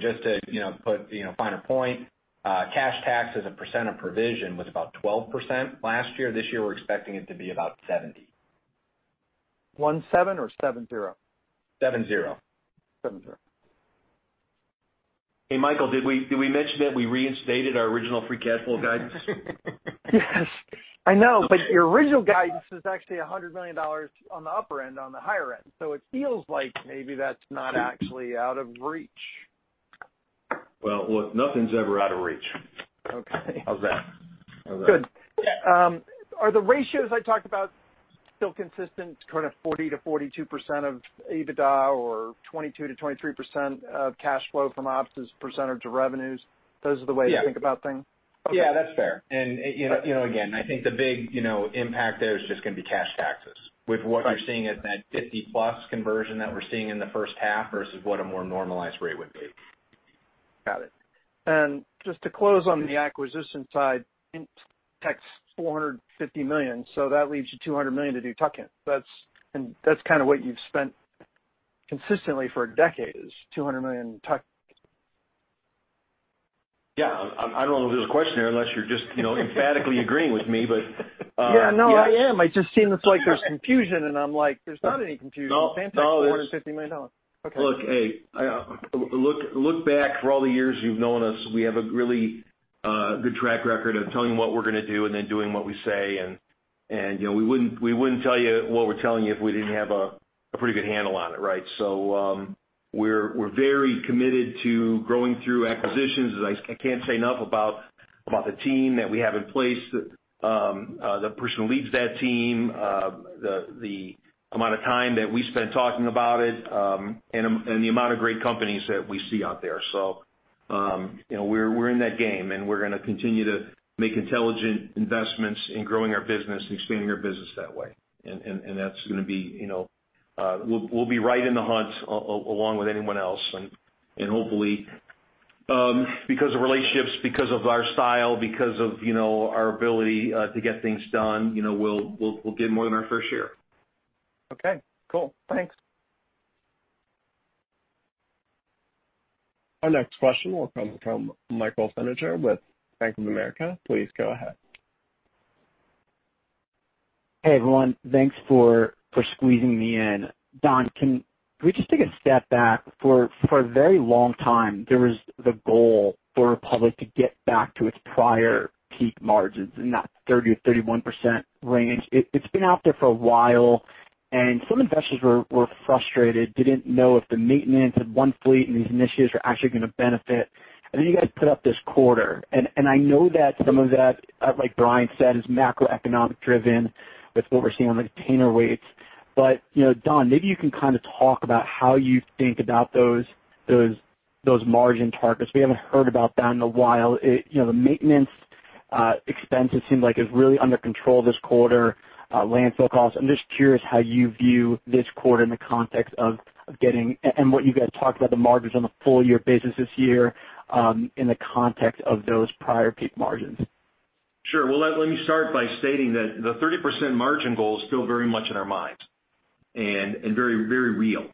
Just to put, find a point, cash tax as a percent of provision was about 12% last year. This year, we're expecting it to be about 70%. One seven or seven zero? seven zero. seven zero. Hey, Michael, did we mention that we reinstated our original free cash flow guidance? Yes, I know. Your original guidance was actually $100 million on the upper end, on the higher end. It feels like maybe that's not actually out of reach. Well, look, nothing's ever out of reach. Okay. How's that? Good. Are the ratios I talked about still consistent, kind of 40%-42% of EBITDA or 22%-23% of cash flow from ops as a percentage of revenues? Those are the ways to think about things? Yeah, that's fair. Again, I think the big impact there is just going to be cash taxes with what you're seeing at that 50-plus conversion that we're seeing in the first half versus what a more normalized rate would be. Got it. Just to close on the acquisition side, $450 million. That leaves you $200 million to do tuck-in. That's kind of what you've spent consistently for decades, $200 million in tuck. Yeah. I don't know if there's a question there unless you're just emphatically agreeing with me, but. Yeah, no, I am. It just seems like there's confusion, and I'm like, there's not any confusion. No. Same thing, $450 million. Okay. Look, hey, look back for all the years you've known us. We have a really good track record of telling you what we're going to do and then doing what we say, and we wouldn't tell you what we're telling you if we didn't have a pretty good handle on it, right? We're very committed to growing through acquisitions. As I can't say enough about the team that we have in place, the person who leads that team, the amount of time that we spend talking about it, and the amount of great companies that we see out there. We're in that game, and we're going to continue to make intelligent investments in growing our business and expanding our business that way. That's going to be, we'll be right in the hunt along with anyone else, and hopefully, because of relationships, because of our style, because of our ability to get things done, we'll get more than our fair share. Okay, cool. Thanks. Our next question will come from Michael Senatore with Bank of America. Please go ahead. Hey, everyone. Thanks for squeezing me in. Don, can we just take a step back? For a very long time, there was the goal for Republic to get back to its prior peak margins in that 30%-31% range. It's been out there for a while, and some investors were frustrated, didn't know if the maintenance of One Fleet and these initiatives were actually going to benefit. Then you guys put up this quarter, and I know that some of that, like Brian said, is macroeconomic-driven with what we're seeing on container weights. Don, maybe you can kind of talk about how you think about those margin targets. We haven't heard about that in a while. The maintenance expense it seems like is really under control this quarter. landfill costs. I'm just curious how you view this quarter in the context of what you guys talked about, the margins on the full year basis this year, in the context of those prior peak margins? Sure. Let me start by stating that the 30% margin goal is still very much in our minds and very real.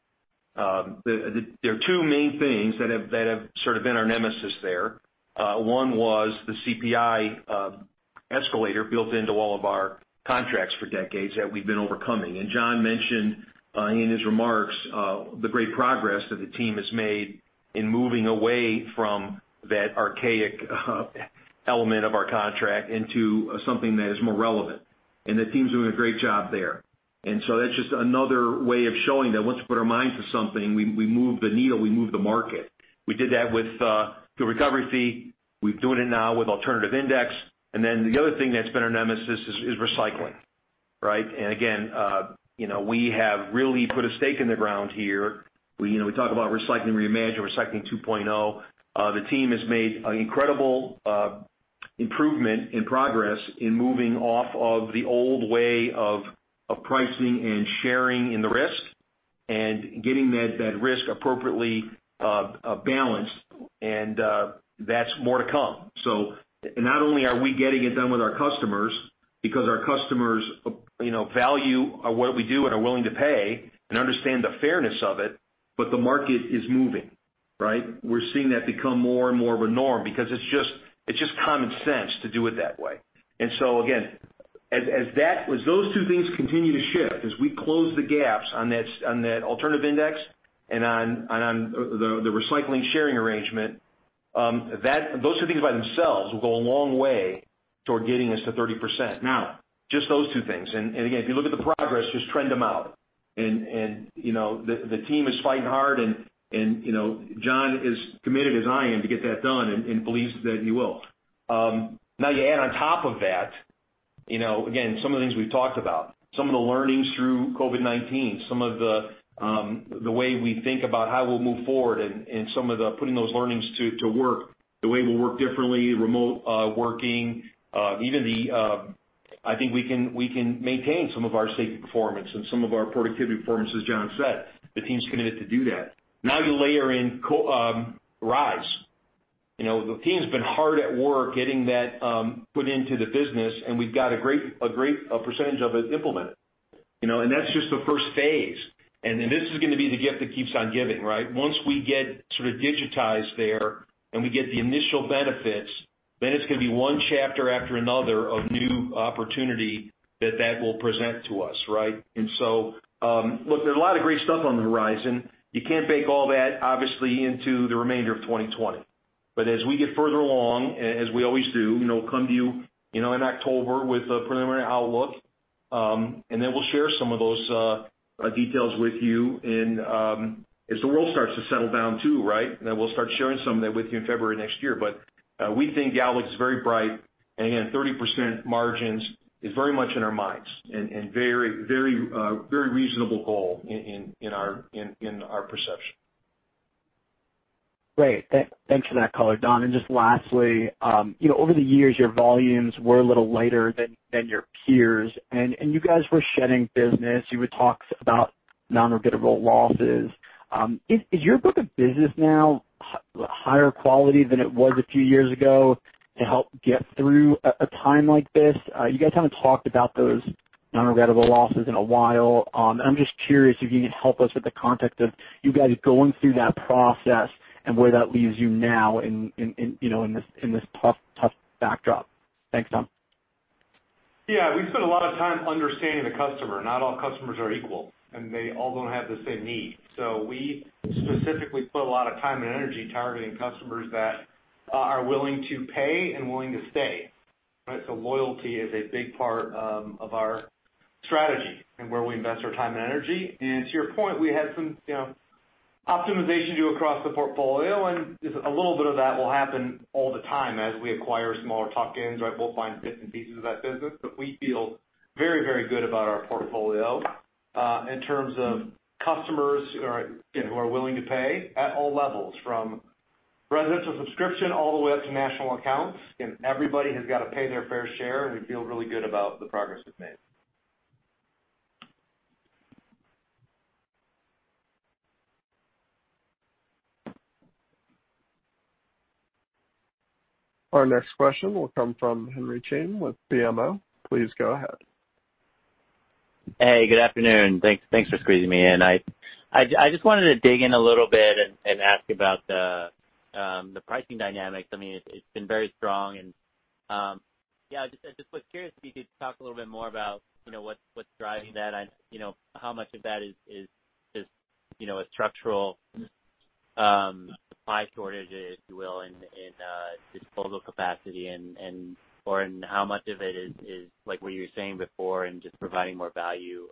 There are two main things that have sort of been our nemesis there. One was the CPI escalator built into all of our contracts for decades that we've been overcoming. Jon mentioned, in his remarks, the great progress that the team has made in moving away from that archaic element of our contract into something that is more relevant. The team's doing a great job there. That's just another way of showing that once we put our minds to something, we move the needle, we move the market. We did that with the recovery fee. We're doing it now with alternative index. The other thing that's been our nemesis is recycling. We have really put a stake in the ground here. We talk about recycling, reimagine recycling 2.0. The team has made an incredible improvement and progress in moving off of the old way of pricing and sharing in the risk, and getting that risk appropriately balanced, and that's more to come. Not only are we getting it done with our customers because our customers value what we do and are willing to pay and understand the fairness of it, but the market is moving. We're seeing that become more and more of a norm because it's just common sense to do it that way. As those two things continue to shift, as we close the gaps on that alternative index and on the recycling sharing arrangement, those two things by themselves will go a long way toward getting us to 30%. Just those two things, again, if you look at the progress, just trend them out. The team is fighting hard and Jon is committed as I am to get that done and believes that he will. You add on top of that, again, some of the things we've talked about, some of the learnings through COVID-19, some of the way we think about how we'll move forward and some of the putting those learnings to work, the way we'll work differently, remote working, even the I think we can maintain some of our safety performance and some of our productivity performance, as Jon said. The team's committed to do that. Now you layer in RISE. The team's been hard at work getting that put into the business, and we've got a great percentage of it implemented. That's just the first phase, and then this is going to be the gift that keeps on giving, right? Once we get sort of digitized there and we get the initial benefits, then it's going to be one chapter after another of new opportunity that that will present to us, right? Look, there's a lot of great stuff on the horizon. You can't bake all that, obviously, into the remainder of 2020. As we get further along, as we always do, we'll come to you in October with a preliminary outlook, and then we'll share some of those details with you, and as the world starts to settle down too, right? We'll start sharing some of that with you in February next year. We think the outlook is very bright. Again, 30% margins is very much in our minds and very reasonable goal in our perception. Great. Thanks for that color, Don. Just lastly, over the years, your volumes were a little lighter than your peers, and you guys were shedding business. You would talk about non-repeatable losses. Is your book of business now higher quality than it was a few years ago to help get through a time like this? You guys haven't talked about those non-repeatable losses in a while. Just curious if you can help us with the context of you guys going through that process and where that leaves you now in this tough backdrop. Thanks, Don. Yeah. We spent a lot of time understanding the customer. Not all customers are equal, and they all don't have the same need. We specifically put a lot of time and energy targeting customers that are willing to pay and willing to stay, right? Loyalty is a big part of our strategy and where we invest our time and energy. To your point, we had some optimization to do across the portfolio, and just a little bit of that will happen all the time as we acquire smaller tuck-ins, right? We'll find different pieces of that business, but we feel very, very good about our portfolio, in terms of customers who are willing to pay at all levels, from residential subscription all the way up to national accounts, and everybody has got to pay their fair share, and we feel really good about the progress we've made. Our next question will come from Henry Chien with BMO. Please go ahead. Hey, good afternoon. Thanks for squeezing me in. I just wanted to dig in a little bit and ask about the pricing dynamics. I mean, it's been very strong and, yeah, I just was curious if you could talk a little bit more about what's driving that and how much of that is just a structural supply shortage, if you will, in disposal capacity, or in how much of it is like what you were saying before and just providing more value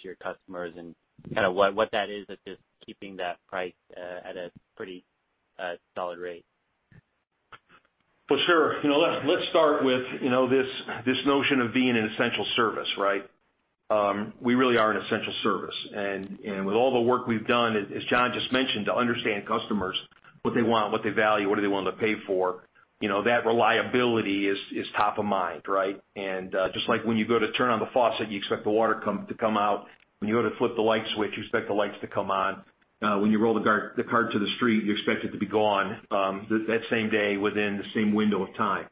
to your customers and kind of what that is that's just keeping that price at a pretty solid rate? For sure. Let's start with this notion of being an essential service, right? We really are an essential service. With all the work we've done, as Jon just mentioned, to understand customers, what they want, what they value, what do they want to pay for, that reliability is top of mind, right? Just like when you go to turn on the faucet, you expect the water to come out. When you go to flip the light switch, you expect the lights to come on. When you roll the cart to the street, you expect it to be gone that same day within the same window of time.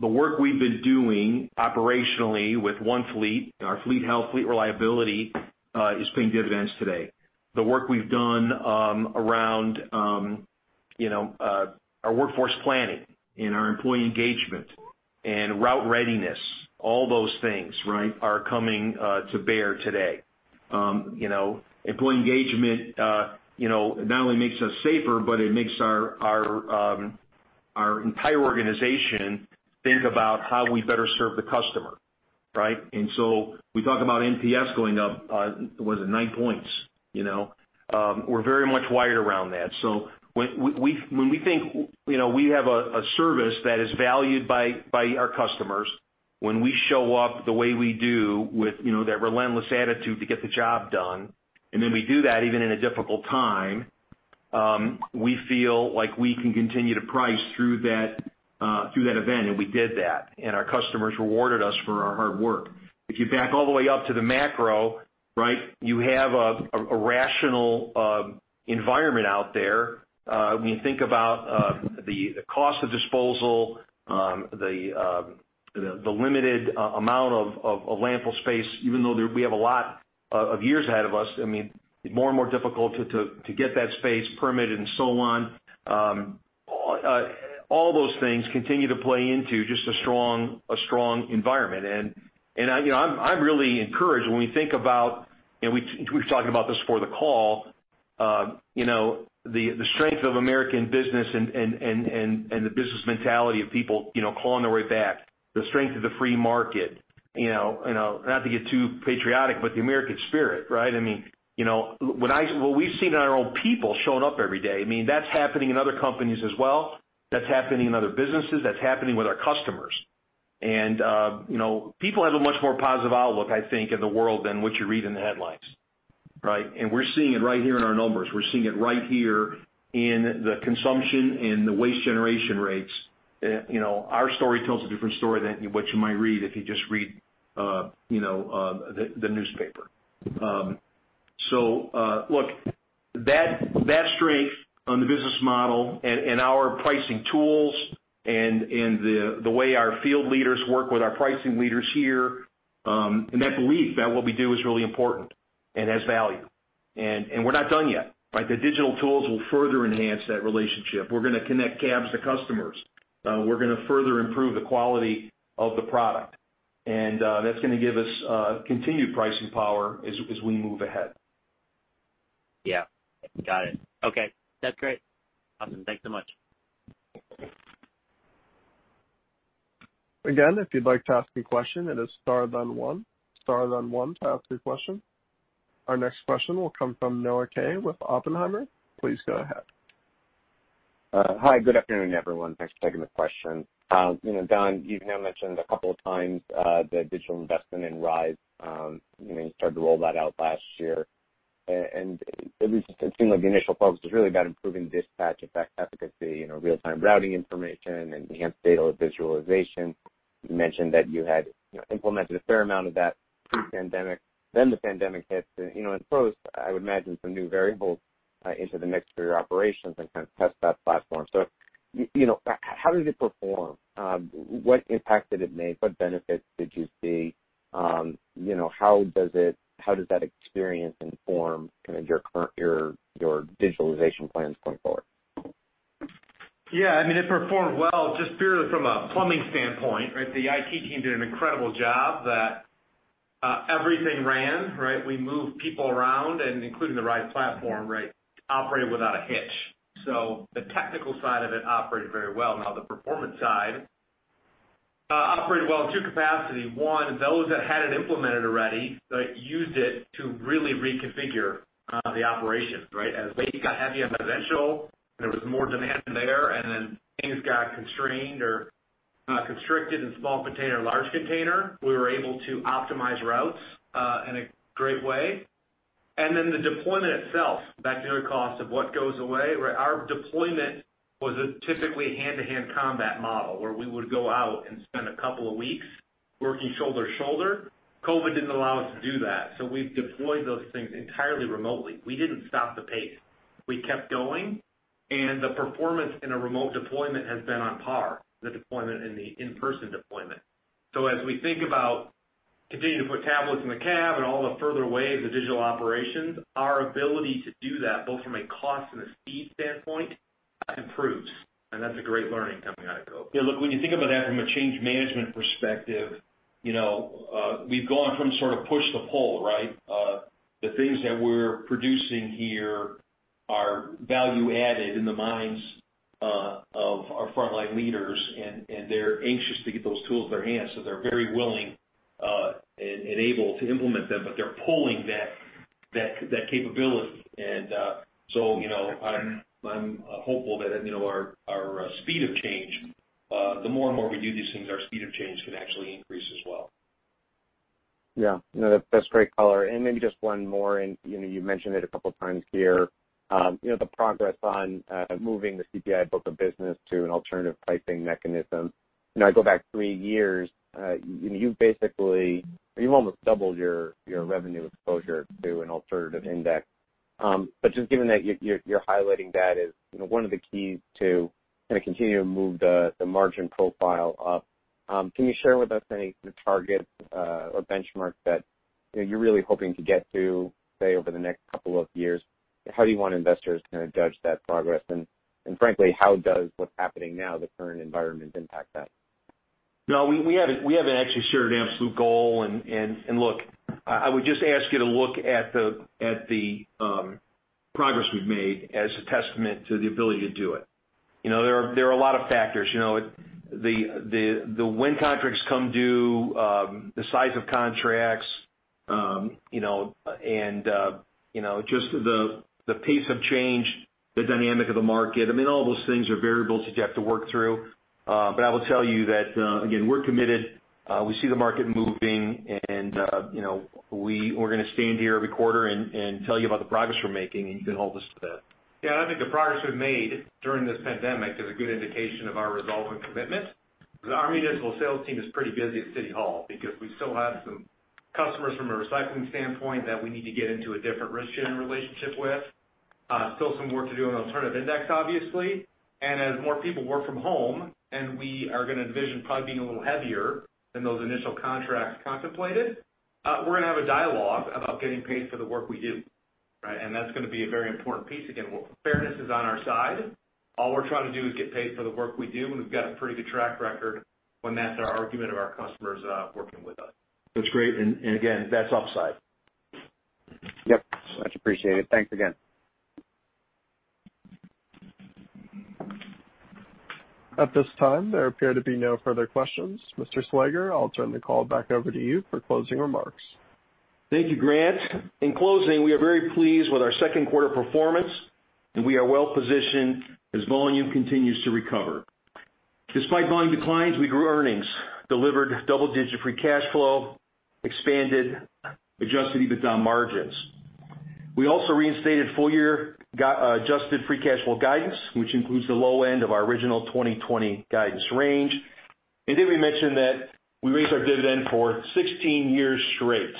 The work we've been doing operationally with One Fleet, our fleet health, fleet reliability, is paying dividends today. The work we've done around our workforce planning and our employee engagement and route readiness, all those things, are coming to bear today. Employee engagement not only makes us safer, but it makes our entire organization think about how we better serve the customer. We talk about NPS going up, what is it, nine points. We're very much wired around that. When we think we have a service that is valued by our customers, when we show up the way we do with that relentless attitude to get the job done, and then we do that even in a difficult time, we feel like we can continue to price through that event, and we did that. Our customers rewarded us for our hard work. If you back all the way up to the macro, right? You have a rational environment out there. When you think about the cost of disposal, the limited amount of landfill space, even though we have a lot of years ahead of us, I mean, it's more and more difficult to get that space permitted and so on. All those things continue to play into just a strong environment. I'm really encouraged when we think about We were talking about this before the call. The strength of American business and the business mentality of people clawing their way back, the strength of the free market. Not to get too patriotic, but the American spirit, right? What we've seen in our own people showing up every day, that's happening in other companies as well. That's happening in other businesses. That's happening with our customers. People have a much more positive outlook, I think, of the world than what you read in the headlines, right? We're seeing it right here in our numbers. We're seeing it right here in the consumption and the waste generation rates. Our story tells a different story than what you might read if you just read the newspaper. Look, that strength on the business model and our pricing tools and the way our field leaders work with our pricing leaders here, and that belief that what we do is really important and has value. We're not done yet, right? The digital tools will further enhance that relationship. We're going to connect cabs to customers. We're going to further improve the quality of the product, and that's going to give us continued pricing power as we move ahead. Got it. Okay. That's great. Awesome. Thanks so much. Again, if you'd like to ask a question, it is star then one. Star then one to ask a question. Our next question will come from Noah Kaye with Oppenheimer. Please go ahead. Hi, good afternoon, everyone. Thanks for taking the question. Don, you've now mentioned a couple of times, the digital investment in RISE. You started to roll that out last year, and it seemed like the initial focus was really about improving dispatch efficacy, real-time routing information, and enhanced data visualization. You mentioned that you had implemented a fair amount of that pre-pandemic. The pandemic hits and imposed, I would imagine, some new variables into the mix for your operations and kind of test that platform. How does it perform? What impact did it make? What benefits did you see? How does that experience inform your digitalization plans going forward? Yeah, it performed well, just purely from a plumbing standpoint, right? The IT team did an incredible job that everything ran, right? We moved people around and including the RISE platform, right, operated without a hitch. The technical side of it operated very well. The performance side, operated well in two capacities. One, those that had it implemented already, used it to really reconfigure the operations, right? As waste got heavy on residential, there was more demand there, and then things got constrained or constricted in small container, large container. We were able to optimize routes in a great way. The deployment itself, back to your cost of what goes away, right? Our deployment was a typically hand-to-hand combat model where we would go out and spend a couple of weeks working shoulder-to-shoulder. COVID didn't allow us to do that. We've deployed those things entirely remotely. We didn't stop the pace. We kept going. The performance in a remote deployment has been on par with the deployment in the in-person deployment. As we think about continuing to put tablets in the cab and all the further waves of digital operations, our ability to do that, both from a cost and a speed standpoint, improves. That's a great learning coming out of COVID. Yeah, look, when you think about that from a change management perspective, we've gone from sort of push to pull, right? The things that we're producing here are value-added in the minds of our frontline leaders, and they're anxious to get those tools in their hands. They're very willing and able to implement them, but they're pulling that capability. I'm hopeful that our speed of change, the more and more we do these things, our speed of change can actually increase as well. Yeah. No, that's great color. Maybe just one more, and you mentioned it a couple of times here. The progress on moving the CPI book of business to an alternative pricing mechanism. I go back three years, you've almost doubled your revenue exposure to an alternative index. Just given that you're highlighting that as one of the keys to kind of continue to move the margin profile up, can you share with us any targets or benchmarks that you're really hoping to get to, say, over the next couple of years? How do you want investors to kind of judge that progress? Frankly, how does what's happening now, the current environment, impact that? No, we haven't actually shared an absolute goal. Look, I would just ask you to look at the progress we've made as a testament to the ability to do it. There are a lot of factors. When contracts come due, the size of contracts, and just the pace of change, the dynamic of the market. All those things are variables that you have to work through. I will tell you that, again, we're committed. We see the market moving, and we're going to stand here every quarter and tell you about the progress we're making, and you can hold us to that. I think the progress we've made during this pandemic is a good indication of our resolve and commitment, because our municipal sales team is pretty busy at City Hall because we still have some customers from a recycling standpoint that we need to get into a different risk-sharing relationship with. Still some work to do on Alternative Index, obviously. As more people work from home, and we are going to envision probably being a little heavier than those initial contracts contemplated, we're going to have a dialogue about getting paid for the work we do, right? That's going to be a very important piece. Again, fairness is on our side. All we're trying to do is get paid for the work we do, and we've got a pretty good track record when that's our argument of our customers working with us. That's great. Again, that's upside. Yep. Much appreciated. Thanks again. At this time, there appear to be no further questions. Mr. Slager, I'll turn the call back over to you for closing remarks. Thank you, Grant. In closing, we are very pleased with our second quarter performance, we are well-positioned as volume continues to recover. Despite volume declines, we grew earnings, delivered double-digit free cash flow, expanded adjusted EBITDA margins. We also reinstated full-year adjusted free cash flow guidance, which includes the low end of our original 2020 guidance range. Did we mention that we raised our dividend for 16 years straight?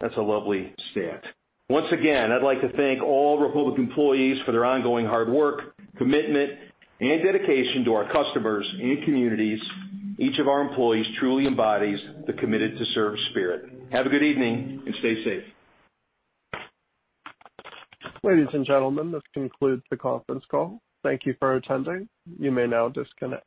That's a lovely stat. Once again, I'd like to thank all Republic employees for their ongoing hard work, commitment, and dedication to our customers and communities. Each of our employees truly embodies the Committed to Serve spirit. Have a good evening, and stay safe. Ladies and gentlemen, this concludes the conference call. Thank you for attending. You may now disconnect.